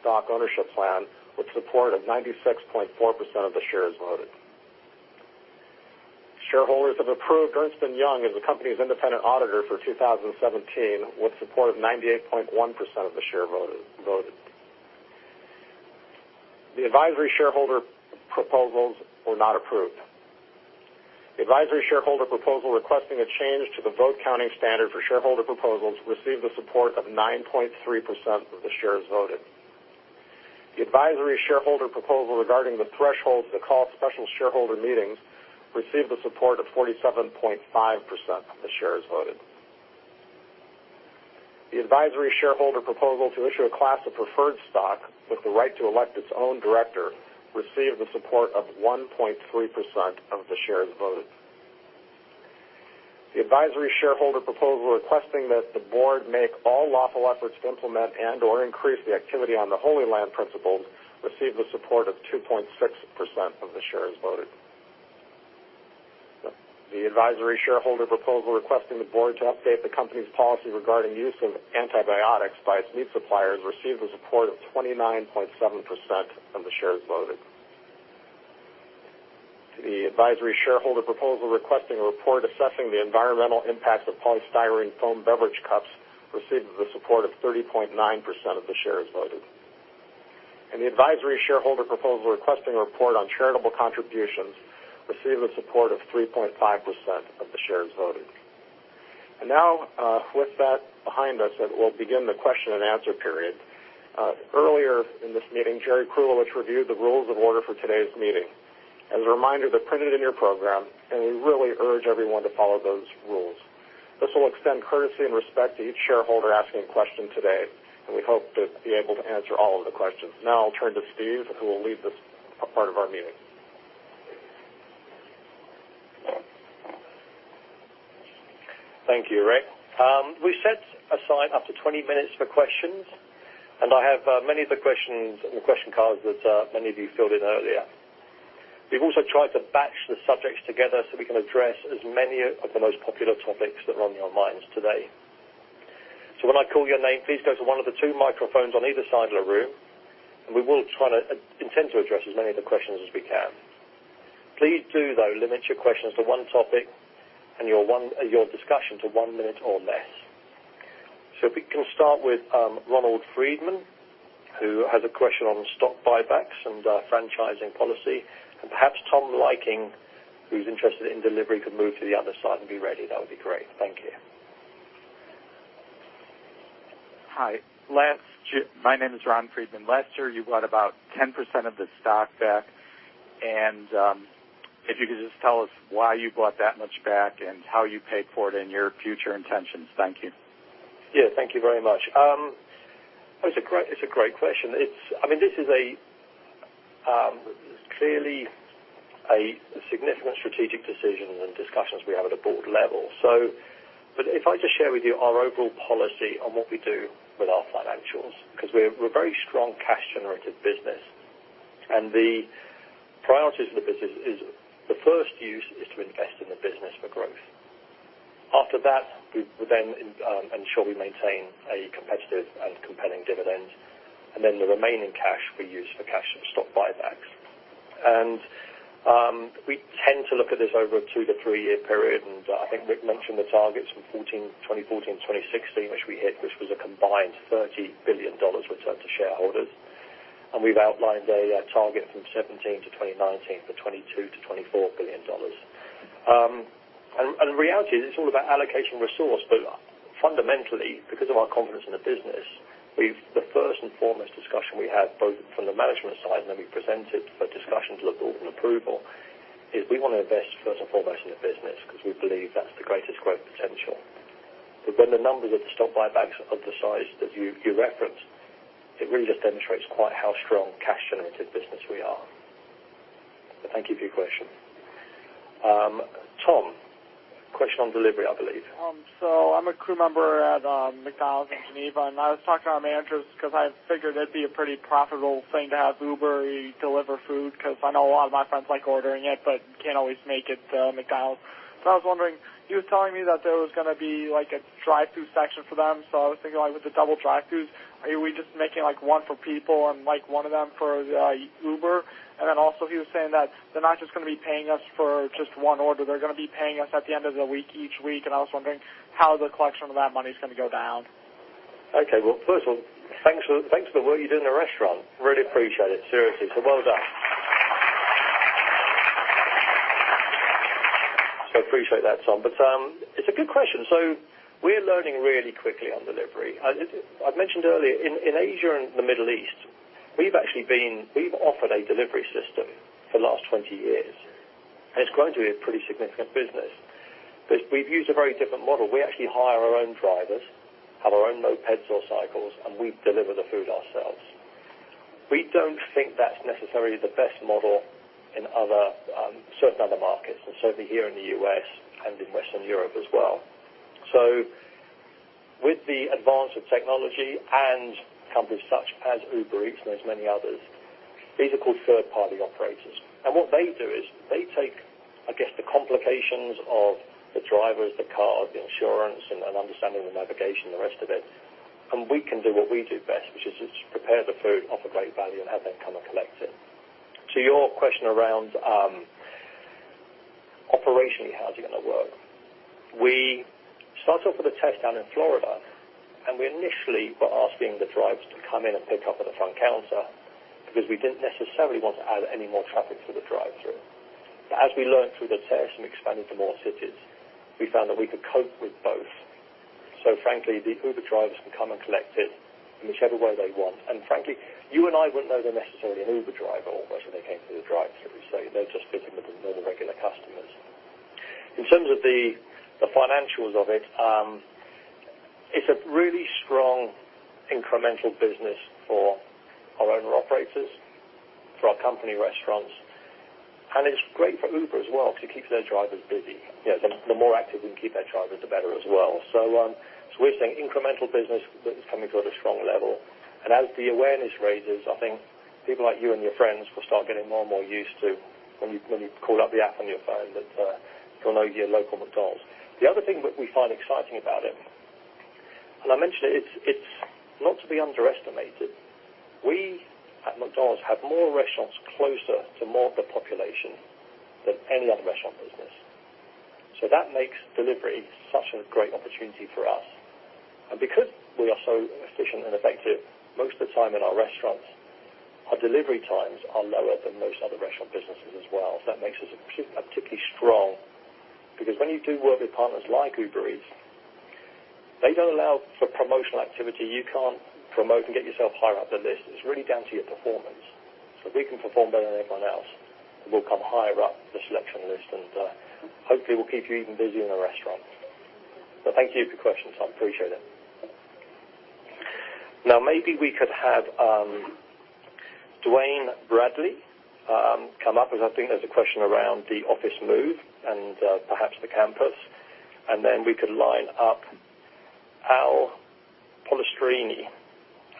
Stock Ownership Plan, with support of 96.4% of the shares voted. Shareholders have approved Ernst & Young as the company's independent auditor for 2017, with support of 98.1% of the shares voted. The advisory shareholder proposals were not approved. The advisory shareholder proposal requesting a change to the vote counting standard for shareholder proposals received the support of 9.3% of the shares voted. The advisory shareholder proposal regarding the threshold to call special shareholder meetings received the support of 47.5% of the shares voted. The advisory shareholder proposal to issue a class of preferred stock with the right to elect its own director received the support of 1.3% of the shares voted. The advisory shareholder proposal requesting that the board make all lawful efforts to implement and/or increase the activity on the Holy Land Principles received the support of 2.6% of the shares voted. The advisory shareholder proposal requesting the board to update the company's policy regarding use of antibiotics by its meat suppliers received the support of 29.7% of the shares voted. The advisory shareholder proposal requesting a report assessing the environmental impact of polystyrene foam beverage cups received the support of 30.9% of the shares voted. The advisory shareholder proposal requesting a report on charitable contributions received the support of 3.5% of the shares voted. Now, with that behind us, we'll begin the question and answer period. Earlier in this meeting, Jerry Krulewicz reviewed the rules of order for today's meeting. As a reminder, they're printed in your program, and we really urge everyone to follow those rules. This will extend courtesy and respect to each shareholder asking a question today, and we hope to be able to answer all of the questions. Now I'll turn to Steve, who will lead this part of our meeting. Thank you, Rick. We set aside up to 20 minutes for questions, and I have many of the questions and the question cards that many of you filled in earlier. We've also tried to batch the subjects together so we can address as many of the most popular topics that are on your minds today. When I call your name, please go to one of the two microphones on either side of the room, and we will intend to address as many of the questions as we can. Please do, though, limit your questions to one topic and your discussion to one minute or less. If we can start with Ronald Friedman, who has a question on stock buybacks and franchising policy. Perhaps Tom Lykins, who's interested in delivery, could move to the other side and be ready. That would be great. Thank you. Hi. My name is Ron Friedman. Last year, you bought about 10% of the stock back, and if you could just tell us why you bought that much back and how you paid for it and your future intentions. Thank you. Thank you very much. It's a great question. This is clearly a significant strategic decision and discussions we have at a board level. If I just share with you our overall policy on what we do with our financials, because we're a very strong cash-generative business. The priorities of the business is the first use is to invest in the business for growth. After that, we then ensure we maintain a competitive and compelling dividend. The remaining cash we use for cash and stock buybacks. We tend to look at this over a two- to three-year period, and I think Rick mentioned the targets from 2014-2016, which we hit, which was a combined $30 billion returned to shareholders. We've outlined a target from 2017-2019 for $22 billion-$24 billion. The reality is it's all about allocation resource. Fundamentally, because of our confidence in the business, the first and foremost discussion we have, both from the management side, then we present it for discussions with the board and approval, is we want to invest first and foremost in the business because we believe that's the greatest growth potential. When the numbers of the stock buybacks are of the size that you referenced, it really just demonstrates quite how strong cash-generative business we are. Thank you for your question. Tom, question on delivery, I believe. I'm a crew member at McDonald's in Geneva, and I was talking to our managers because I figured it'd be a pretty profitable thing to have Uber Eats deliver food, because I know a lot of my friends like ordering it but can't always make it to McDonald's. I was wondering, he was telling me that there was going to be a drive-through section for them. I was thinking, with the double drive-throughs, are we just making one for people and one of them for Uber? Also, he was saying that they're not just going to be paying us for just one order. They're going to be paying us at the end of the week, each week. I was wondering how the collection of that money is going to go down. Okay. Well, first of all, thanks for the work you do in the restaurant. Really appreciate it, seriously. Well done. Appreciate that, Tom. It's a good question. We're learning really quickly on delivery. I mentioned earlier, in Asia and the Middle East, we've offered a delivery system for the last 20 years. It's grown to be a pretty significant business. We've used a very different model. We actually hire our own drivers, have our own mopeds or cycles, and we deliver the food ourselves. We don't think that's necessarily the best model in certain other markets, and certainly here in the U.S. and in Western Europe as well. With the advance of technology and companies such as Uber Eats, and there's many others, these are called third-party operators. What they do is they take, I guess, the complications of the drivers, the car, the insurance, and understanding the navigation, the rest of it. We can do what we do best, which is just prepare the food, offer great value, and have them come and collect it. To your question around, operationally, how's it going to work? We started off with a test down in Florida, and we initially were asking the drivers to come in and pick up at the front counter because we didn't necessarily want to add any more traffic to the drive-through. As we learned through the test and expanded to more cities, we found that we could cope with both. Frankly, the Uber drivers can come and collect it in whichever way they want. Frankly, you and I wouldn't know they're necessarily an Uber driver or whether they came through the drive-through. They're just visible. They're the regular customers. In terms of the financials of it's a really strong incremental business for our owner-operators, for our company restaurants, and it's great for Uber as well because it keeps their drivers busy. The more active we can keep their drivers, the better as well. We're seeing incremental business that's coming to at a strong level. As the awareness raises, I think people like you and your friends will start getting more and more used to when you call up the app on your phone that it'll know your local McDonald's. The other thing that we find exciting about it, and I mentioned it's not to be underestimated. We at McDonald's have more restaurants closer to more of the population than any other restaurant business. That makes delivery such a great opportunity for us. Because we are so efficient and effective, most of the time in our restaurants, our delivery times are lower than most other restaurant businesses as well. That makes us particularly strong, because when you do work with partners like Uber Eats, they don't allow for promotional activity. You can't promote and get yourself higher up the list. It's really down to your performance. If we can perform better than everyone else, we'll come higher up the selection list, and hopefully, we'll keep you even busier in the restaurant. Thank you for your question, Tom. Appreciate it. Maybe we could have Dwayne Bradley come up, as I think there's a question around the office move and perhaps the campus. We could line up Al Polistrini,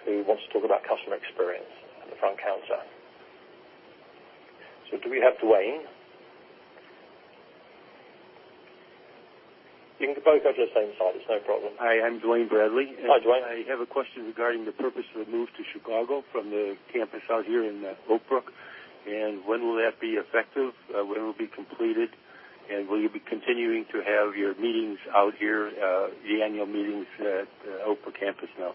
who wants to talk about customer experience at the front counter. Do we have Dwayne? You can both go to the same side. It's no problem. Hi, I'm Dwayne Bradley. Hi, Dwayne. I have a question regarding the purpose of the move to Chicago from the campus out here in Oak Brook. When will that be effective? When will it be completed? Will you be continuing to have your meetings out here, the annual meetings at Oak Brook campus now?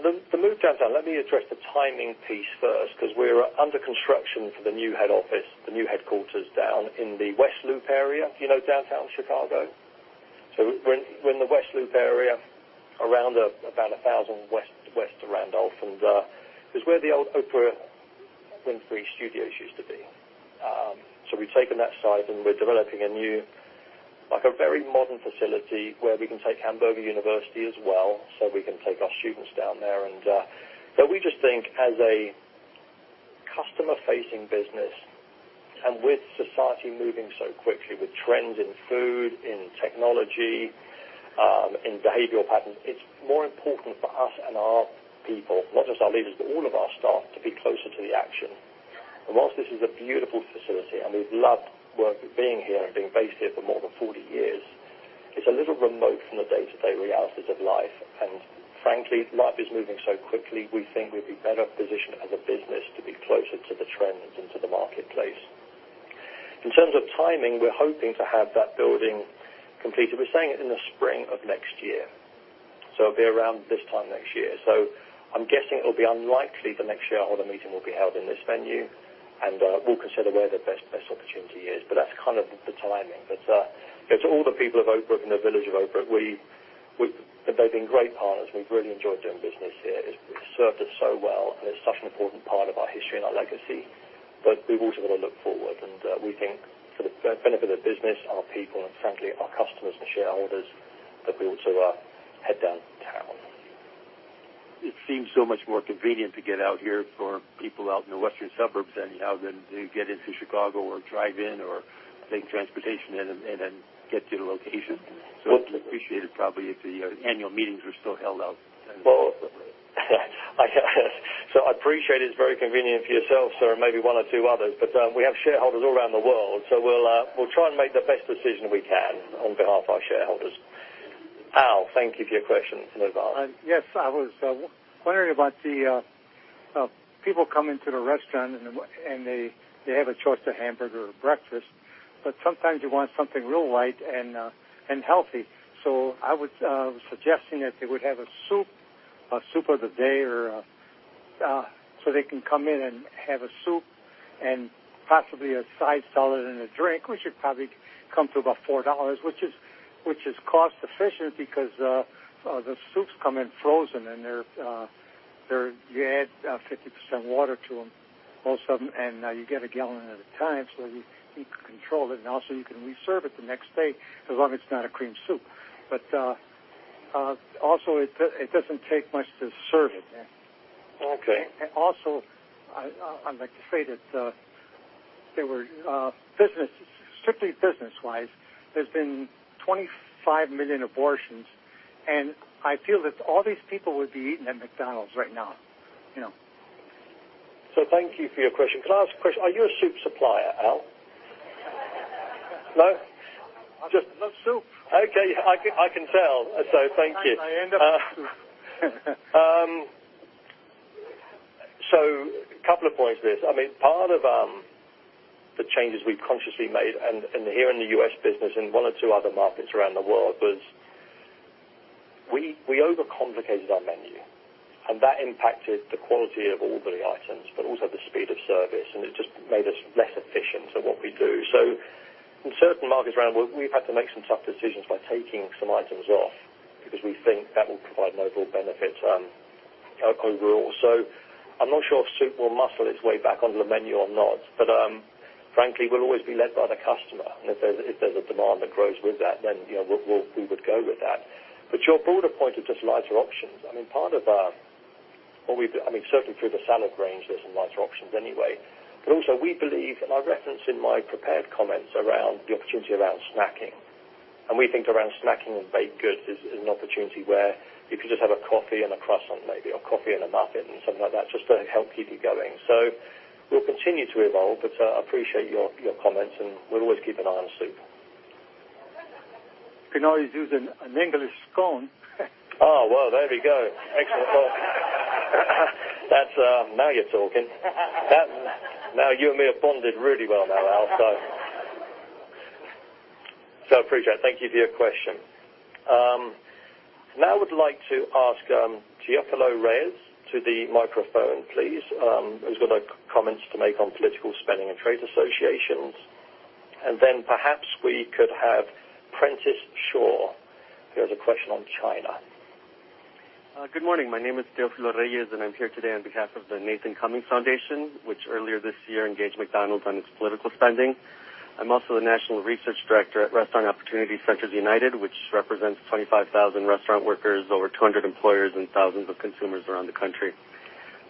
The move downtown, let me address the timing piece first, because we're under construction for the new head office, the new headquarters down in the West Loop area, you know downtown Chicago. We're in the West Loop area, around about 1,000 West Randolph, and it's where the old Oprah Winfrey studios used to be. We've taken that site, and we're developing a new, a very modern facility where we can take Hamburger University as well, so we can take our students down there. We just think as a customer-facing business and with society moving so quickly with trends in food, in technology, in behavioral patterns, it's more important for us and our people, not just our leaders, but all of our staff, to be closer to the action. Whilst this is a beautiful facility and we've loved being here and being based here for more than 40 years, it's a little remote from the day-to-day realities of life. Frankly, life is moving so quickly, we think we'd be better positioned as a business to be closer to the trends and to the marketplace. In terms of timing, we're hoping to have that building completed. We're saying in the spring of next year, so it'll be around this time next year. I'm guessing it'll be unlikely the next shareholder meeting will be held in this venue, and we'll consider where the best opportunity is. That's kind of the timing. To all the people of Oak Brook and the village of Oak Brook, they've been great partners. We've really enjoyed doing business here. It's served us so well. It's such an important part of our history and our legacy. We've also got to look forward, and we think for the benefit of the business, our people, and frankly, our customers and shareholders, that we ought to head downtown. It seems so much more convenient to get out here for people out in the western suburbs anyhow than to get into Chicago or drive in or take transportation in and then get to the location. It'd be appreciated probably if the annual meetings were still held out in Oak Brook. I appreciate it's very convenient for yourself, sir, and maybe one or two others, but we have shareholders all around the world. We'll try and make the best decision we can on behalf of our shareholders. Al, thank you for your question. Move on. Yes, I was wondering about. People come into the restaurant, they have a choice of hamburger or breakfast, sometimes you want something really light and healthy. I was suggesting that they would have a soup of the day, they can come in and have a soup and possibly a side salad and a drink, which would probably come to about $4. Which is cost-efficient because the soups come in frozen, you add 50% water to them, most of them, and you get a gallon at a time, so you can control it. Also, you can reserve it the next day, as long as it's not a cream soup. Also, it doesn't take much to serve it. Okay. Also, I'd like to say that, strictly business-wise, there's been 25 million abortions, I feel that all these people would be eating at McDonald's right now. Thank you for your question. Can I ask a question? Are you a soup supplier, Al? No? I just love soup. Okay, I can tell. Thank you. I end up with soup. A couple of points there. Part of the changes we've consciously made, and here in the U.S. business and one or two other markets around the world, was we overcomplicated our menu, and that impacted the quality of all the items, but also the speed of service, and it just made us less efficient at what we do. In certain markets around the world, we've had to make some tough decisions by taking some items off because we think that will provide notable benefits overall. I'm not sure if soup will muscle its way back onto the menu or not. Frankly, we'll always be led by the customer, and if there's a demand that grows with that, then we would go with that. Your broader point of just lighter options. Certainly through the salad range, there's some lighter options anyway. Also, we believe, and I reference in my prepared comments around the opportunity around snacking. We think around snacking and baked goods is an opportunity where you can just have a coffee and a croissant maybe, or coffee and a muffin, and something like that, just to help keep you going. We'll continue to evolve, but I appreciate your comments, and we'll always keep an eye on soup. We can always use an English scone. Oh, well, there we go. Excellent thought. Now you're talking. Now you and me have bonded really well now, Al, so. I appreciate it. Thank you for your question. Now I would like to ask Teofilo Reyes to the microphone, please, who's got comments to make on political spending and trade associations. Perhaps we could have Prentiss Shaw, who has a question on China. Good morning. My name is Teofilo Reyes, I'm here today on behalf of the Nathan Cummings Foundation, which earlier this year engaged McDonald's on its political spending. I'm also the National Research Director at Restaurant Opportunities Centers United, which represents 25,000 restaurant workers, over 200 employers, and thousands of consumers around the country.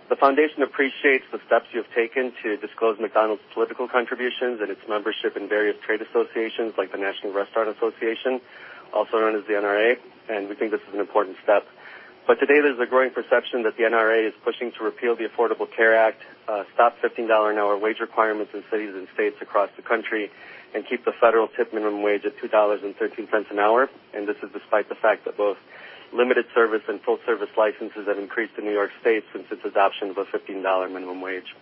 The foundation appreciates the steps you have taken to disclose McDonald's political contributions and its membership in various trade associations like the National Restaurant Association, also known as the NRA. We think this is an important step. Today, there's a growing perception that the NRA is pushing to repeal the Affordable Care Act, stop $15 an hour wage requirements in cities and states across the country, and keep the federal tip minimum wage at $2.13 an hour. This is despite the fact that both limited service and full-service licenses have increased in New York State since its adoption of a $15 minimum wage.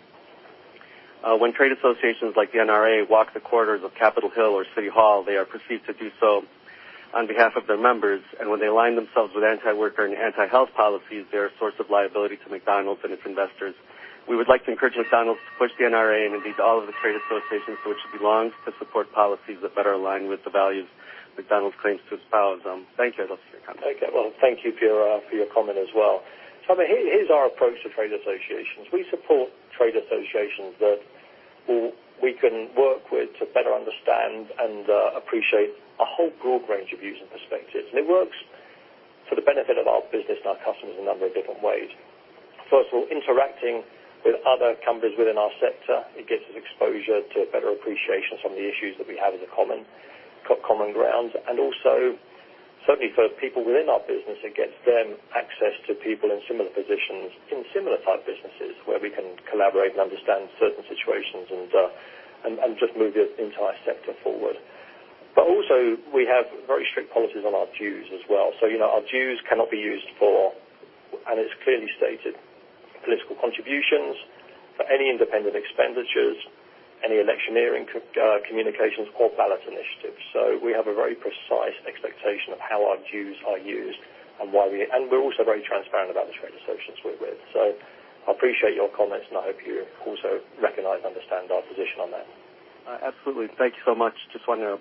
When trade associations like the NRA walk the corridors of Capitol Hill or City Hall, they are perceived to do so on behalf of their members. When they align themselves with anti-worker and anti-health policies, they're a source of liability to McDonald's and its investors. We would like to encourage McDonald's to push the NRA and indeed to all of the trade associations to which it belongs to support policies that better align with the values McDonald's claims to espouse. Thank you. I'd love to hear your comments. Okay. Well, thank you for your comment as well. Here's our approach to trade associations. We support trade associations that we can work with to better understand and appreciate a whole broad range of views and perspectives. It works for the benefit of our business and our customers in a number of different ways. First of all, interacting with other companies within our sector, it gets us exposure to a better appreciation of some of the issues that we have as a common ground. Also, certainly for people within our business, it gets them access to people in similar positions in similar type businesses where we can collaborate and understand certain situations and just move the entire sector forward. Also, we have very strict policies on our dues as well. Our dues cannot be used for, and it's clearly stated, political contributions, for any independent expenditures, any electioneering communications, or ballot initiatives. We have a very precise expectation of how our dues are used. We're also very transparent about the trade associations we're with. I appreciate your comments, and I hope you also recognize and understand our position on that. Absolutely. Thank you so much. Just wanted to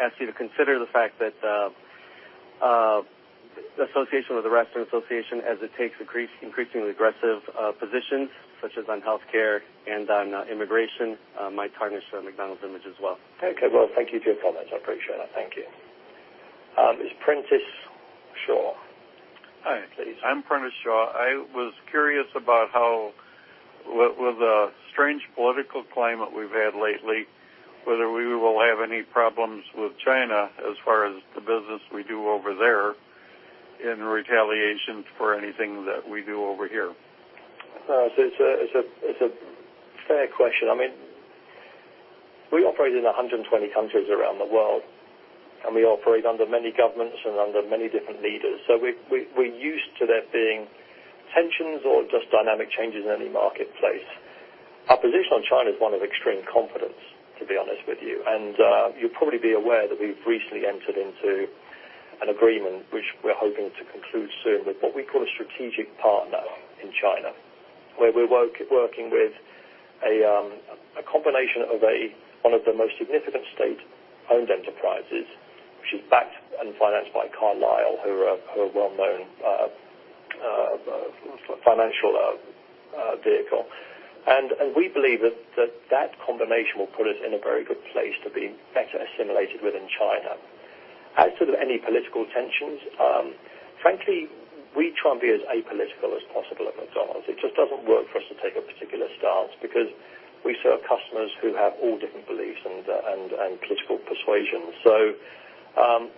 ask you to consider the fact that the association with the Restaurant Association, as it takes increasingly aggressive positions, such as on healthcare and on immigration, might tarnish the McDonald's image as well. Okay. Well, thank you for your comments. I appreciate that. Thank you. It's Prentiss Shaw. Hi. Please. I'm Prentiss Shaw. I was curious about how, with the strange political climate we've had lately, whether we will have any problems with China as far as the business we do over there in retaliation for anything that we do over here. It's a fair question. We operate in 120 countries around the world, We operate under many governments and under many different leaders. We're used to there being tensions or just dynamic changes in any marketplace. Our position on China is one of extreme confidence, to be honest with you. You'll probably be aware that we've recently entered into an agreement, which we're hoping to conclude soon with what we call a strategic partner in China, where we're working with a combination of one of the most significant state-owned enterprises, which is backed and financed by Carlyle, who are a well-known financial vehicle. We believe that that combination will put us in a very good place to be better assimilated within China. As to any political tensions, frankly, we try and be as apolitical as possible at McDonald's. It just doesn't work for us to take a particular stance because we serve customers who have all different beliefs and political persuasions.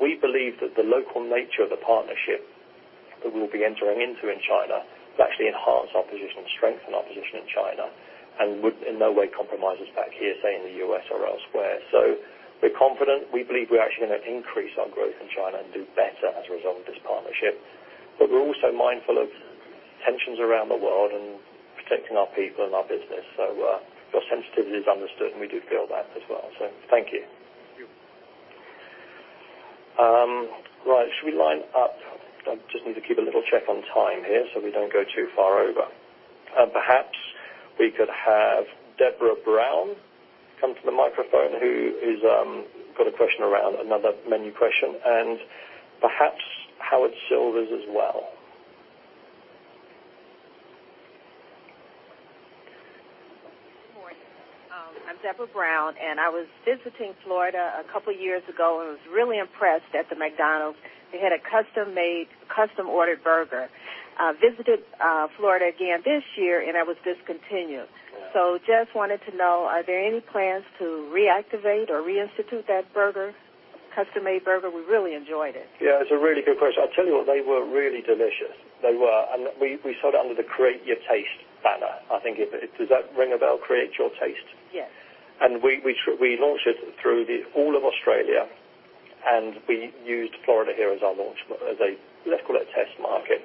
We believe that the local nature of the partnership that we'll be entering into in China will actually enhance our position and strengthen our position in China and would in no way compromise us back here, say, in the U.S. or elsewhere. We're confident. We believe we're actually going to increase our growth in China and do better as a result of this partnership. We're also mindful of tensions around the world and protecting our people and our business. Your sensitivity is understood, and we do feel that as well. Thank you. Thank you. Right. Should we line up? I just need to keep a little check on time here so we don't go too far over. Perhaps we could have Deborah Brown come to the microphone, who has got a question around another menu question, and perhaps Howard Silvers as well. Good morning. I'm Deborah Brown. I was visiting Florida a couple of years ago and was really impressed at the McDonald's. They had a custom-made, custom-ordered burger. I visited Florida again this year, and it was discontinued. Yeah. Just wanted to know, are there any plans to reactivate or reinstitute that burger, custom-made burger? We really enjoyed it. Yeah, it's a really good question. I'll tell you what, they were really delicious. They were. We sold it under the Create Your Taste banner, I think. Does that ring a bell, Create Your Taste? Yes. We launched it through all of Australia, and we used Florida here as a, let's call it, test market.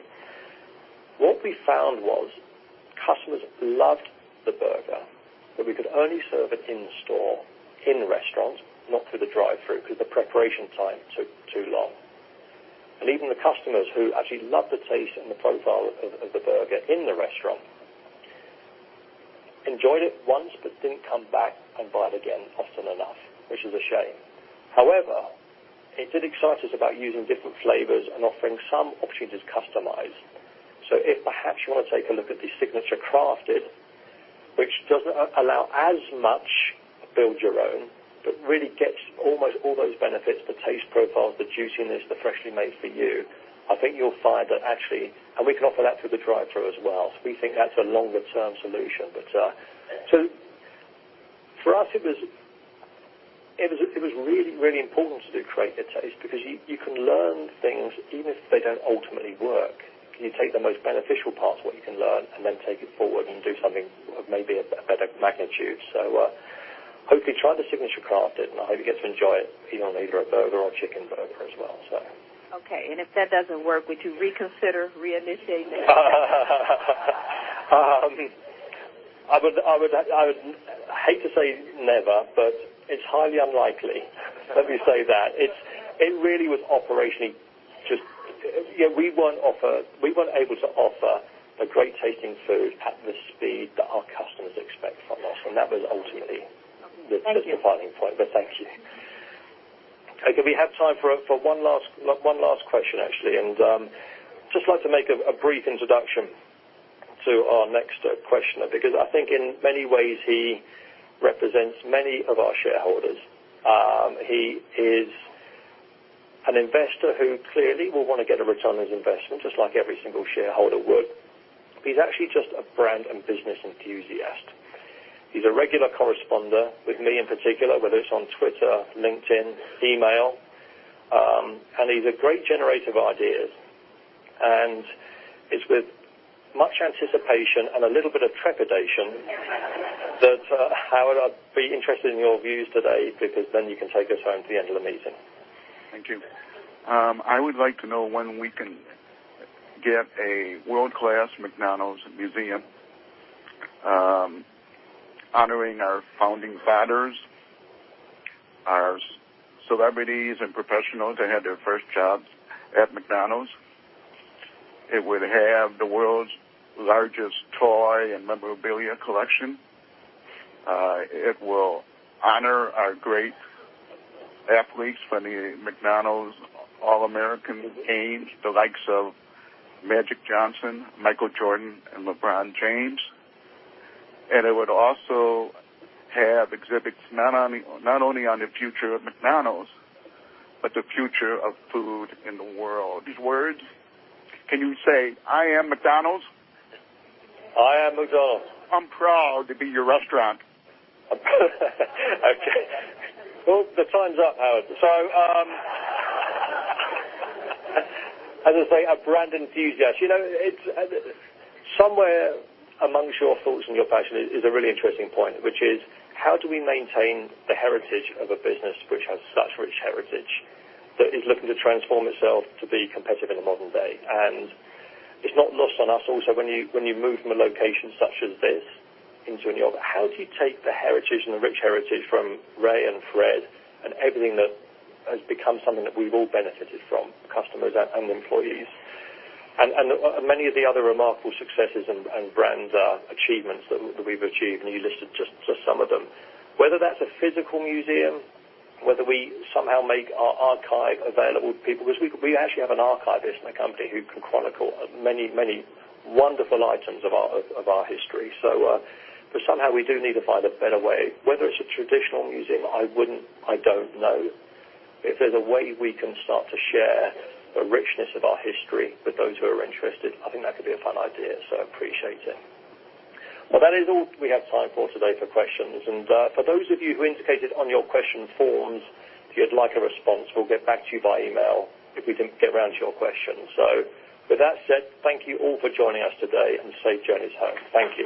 What we found was customers loved the burger, but we could only serve it in the store, in restaurants, not through the drive-thru because the preparation time took too long. Even the customers who actually loved the taste and the profile of the burger in the restaurant enjoyed it once but didn't come back and buy it again often enough, which is a shame. However, it did excite us about using different flavors and offering some options as customized. If perhaps you want to take a look at the Signature Crafted, which doesn't allow as much build-your-own, but really gets almost all those benefits, the taste profiles, the juiciness, the freshly made for you, I think you'll find that. We can offer that through the drive-thru as well. We think that's a longer-term solution. For us, it was really important to do Create Your Taste because you can learn things even if they don't ultimately work. You take the most beneficial parts, what you can learn, and then take it forward and do something of maybe a better magnitude. Hope you try the Signature Crafted, and I hope you get to enjoy it, be it on either a burger or chicken burger as well. Okay. If that doesn't work, would you reconsider reinitiating it? I would hate to say never, but it's highly unlikely. Let me say that. It really was operationally. We weren't able to offer a great-tasting food at the speed that our customers expect from us. Okay. Thank you Thank you. Okay, we have time for one last question, actually. Just like to make a brief introduction to our next questioner, because I think in many ways he represents many of our shareholders. He is an investor who clearly will want to get a return on his investment, just like every single shareholder would. He's actually just a brand and business enthusiast. He's a regular correspondent with me in particular, whether it's on Twitter, LinkedIn, email, and he's a great generator of ideas. It's with much anticipation and a little bit of trepidation that, Howard, I'd be interested in your views today because then you can take us home to the end of the meeting. Thank you. I would like to know when we can get a world-class McDonald's museum honoring our founding fathers, our celebrities and professionals that had their first jobs at McDonald's. It would have the world's largest toy and memorabilia collection. It will honor our great athletes from the McDonald's All-American Games, the likes of Magic Johnson, Michael Jordan, and LeBron James. It would also have exhibits not only on the future of McDonald's, but the future of food in the world. These words, can you say, I am McDonald's? I am McDonald's. I'm proud to be your restaurant. Well, the time's up, Howard. As I say, a brand enthusiast. Somewhere amongst your thoughts and your passion is a really interesting point, which is: How do we maintain the heritage of a business which has such rich heritage, that is looking to transform itself to be competitive in the modern day? It's not lost on us also when you move from a location such as this into any other. How do you take the heritage and the rich heritage from Ray and Fred and everything that has become something that we've all benefited from, customers and employees, and many of the other remarkable successes and brand achievements that we've achieved, and you listed just some of them. Whether that's a physical museum, whether we somehow make our archive available to people, because we actually have an archivist in the company who can chronicle many wonderful items of our history. Somehow we do need to find a better way. Whether it's a traditional museum, I don't know. If there's a way we can start to share the richness of our history with those who are interested, I think that could be a fun idea, so I appreciate it. Well, that is all we have time for today for questions. For those of you who indicated on your question forms if you'd like a response, we'll get back to you by email if we didn't get around to your question. With that said, thank you all for joining us today, and safe journeys home. Thank you.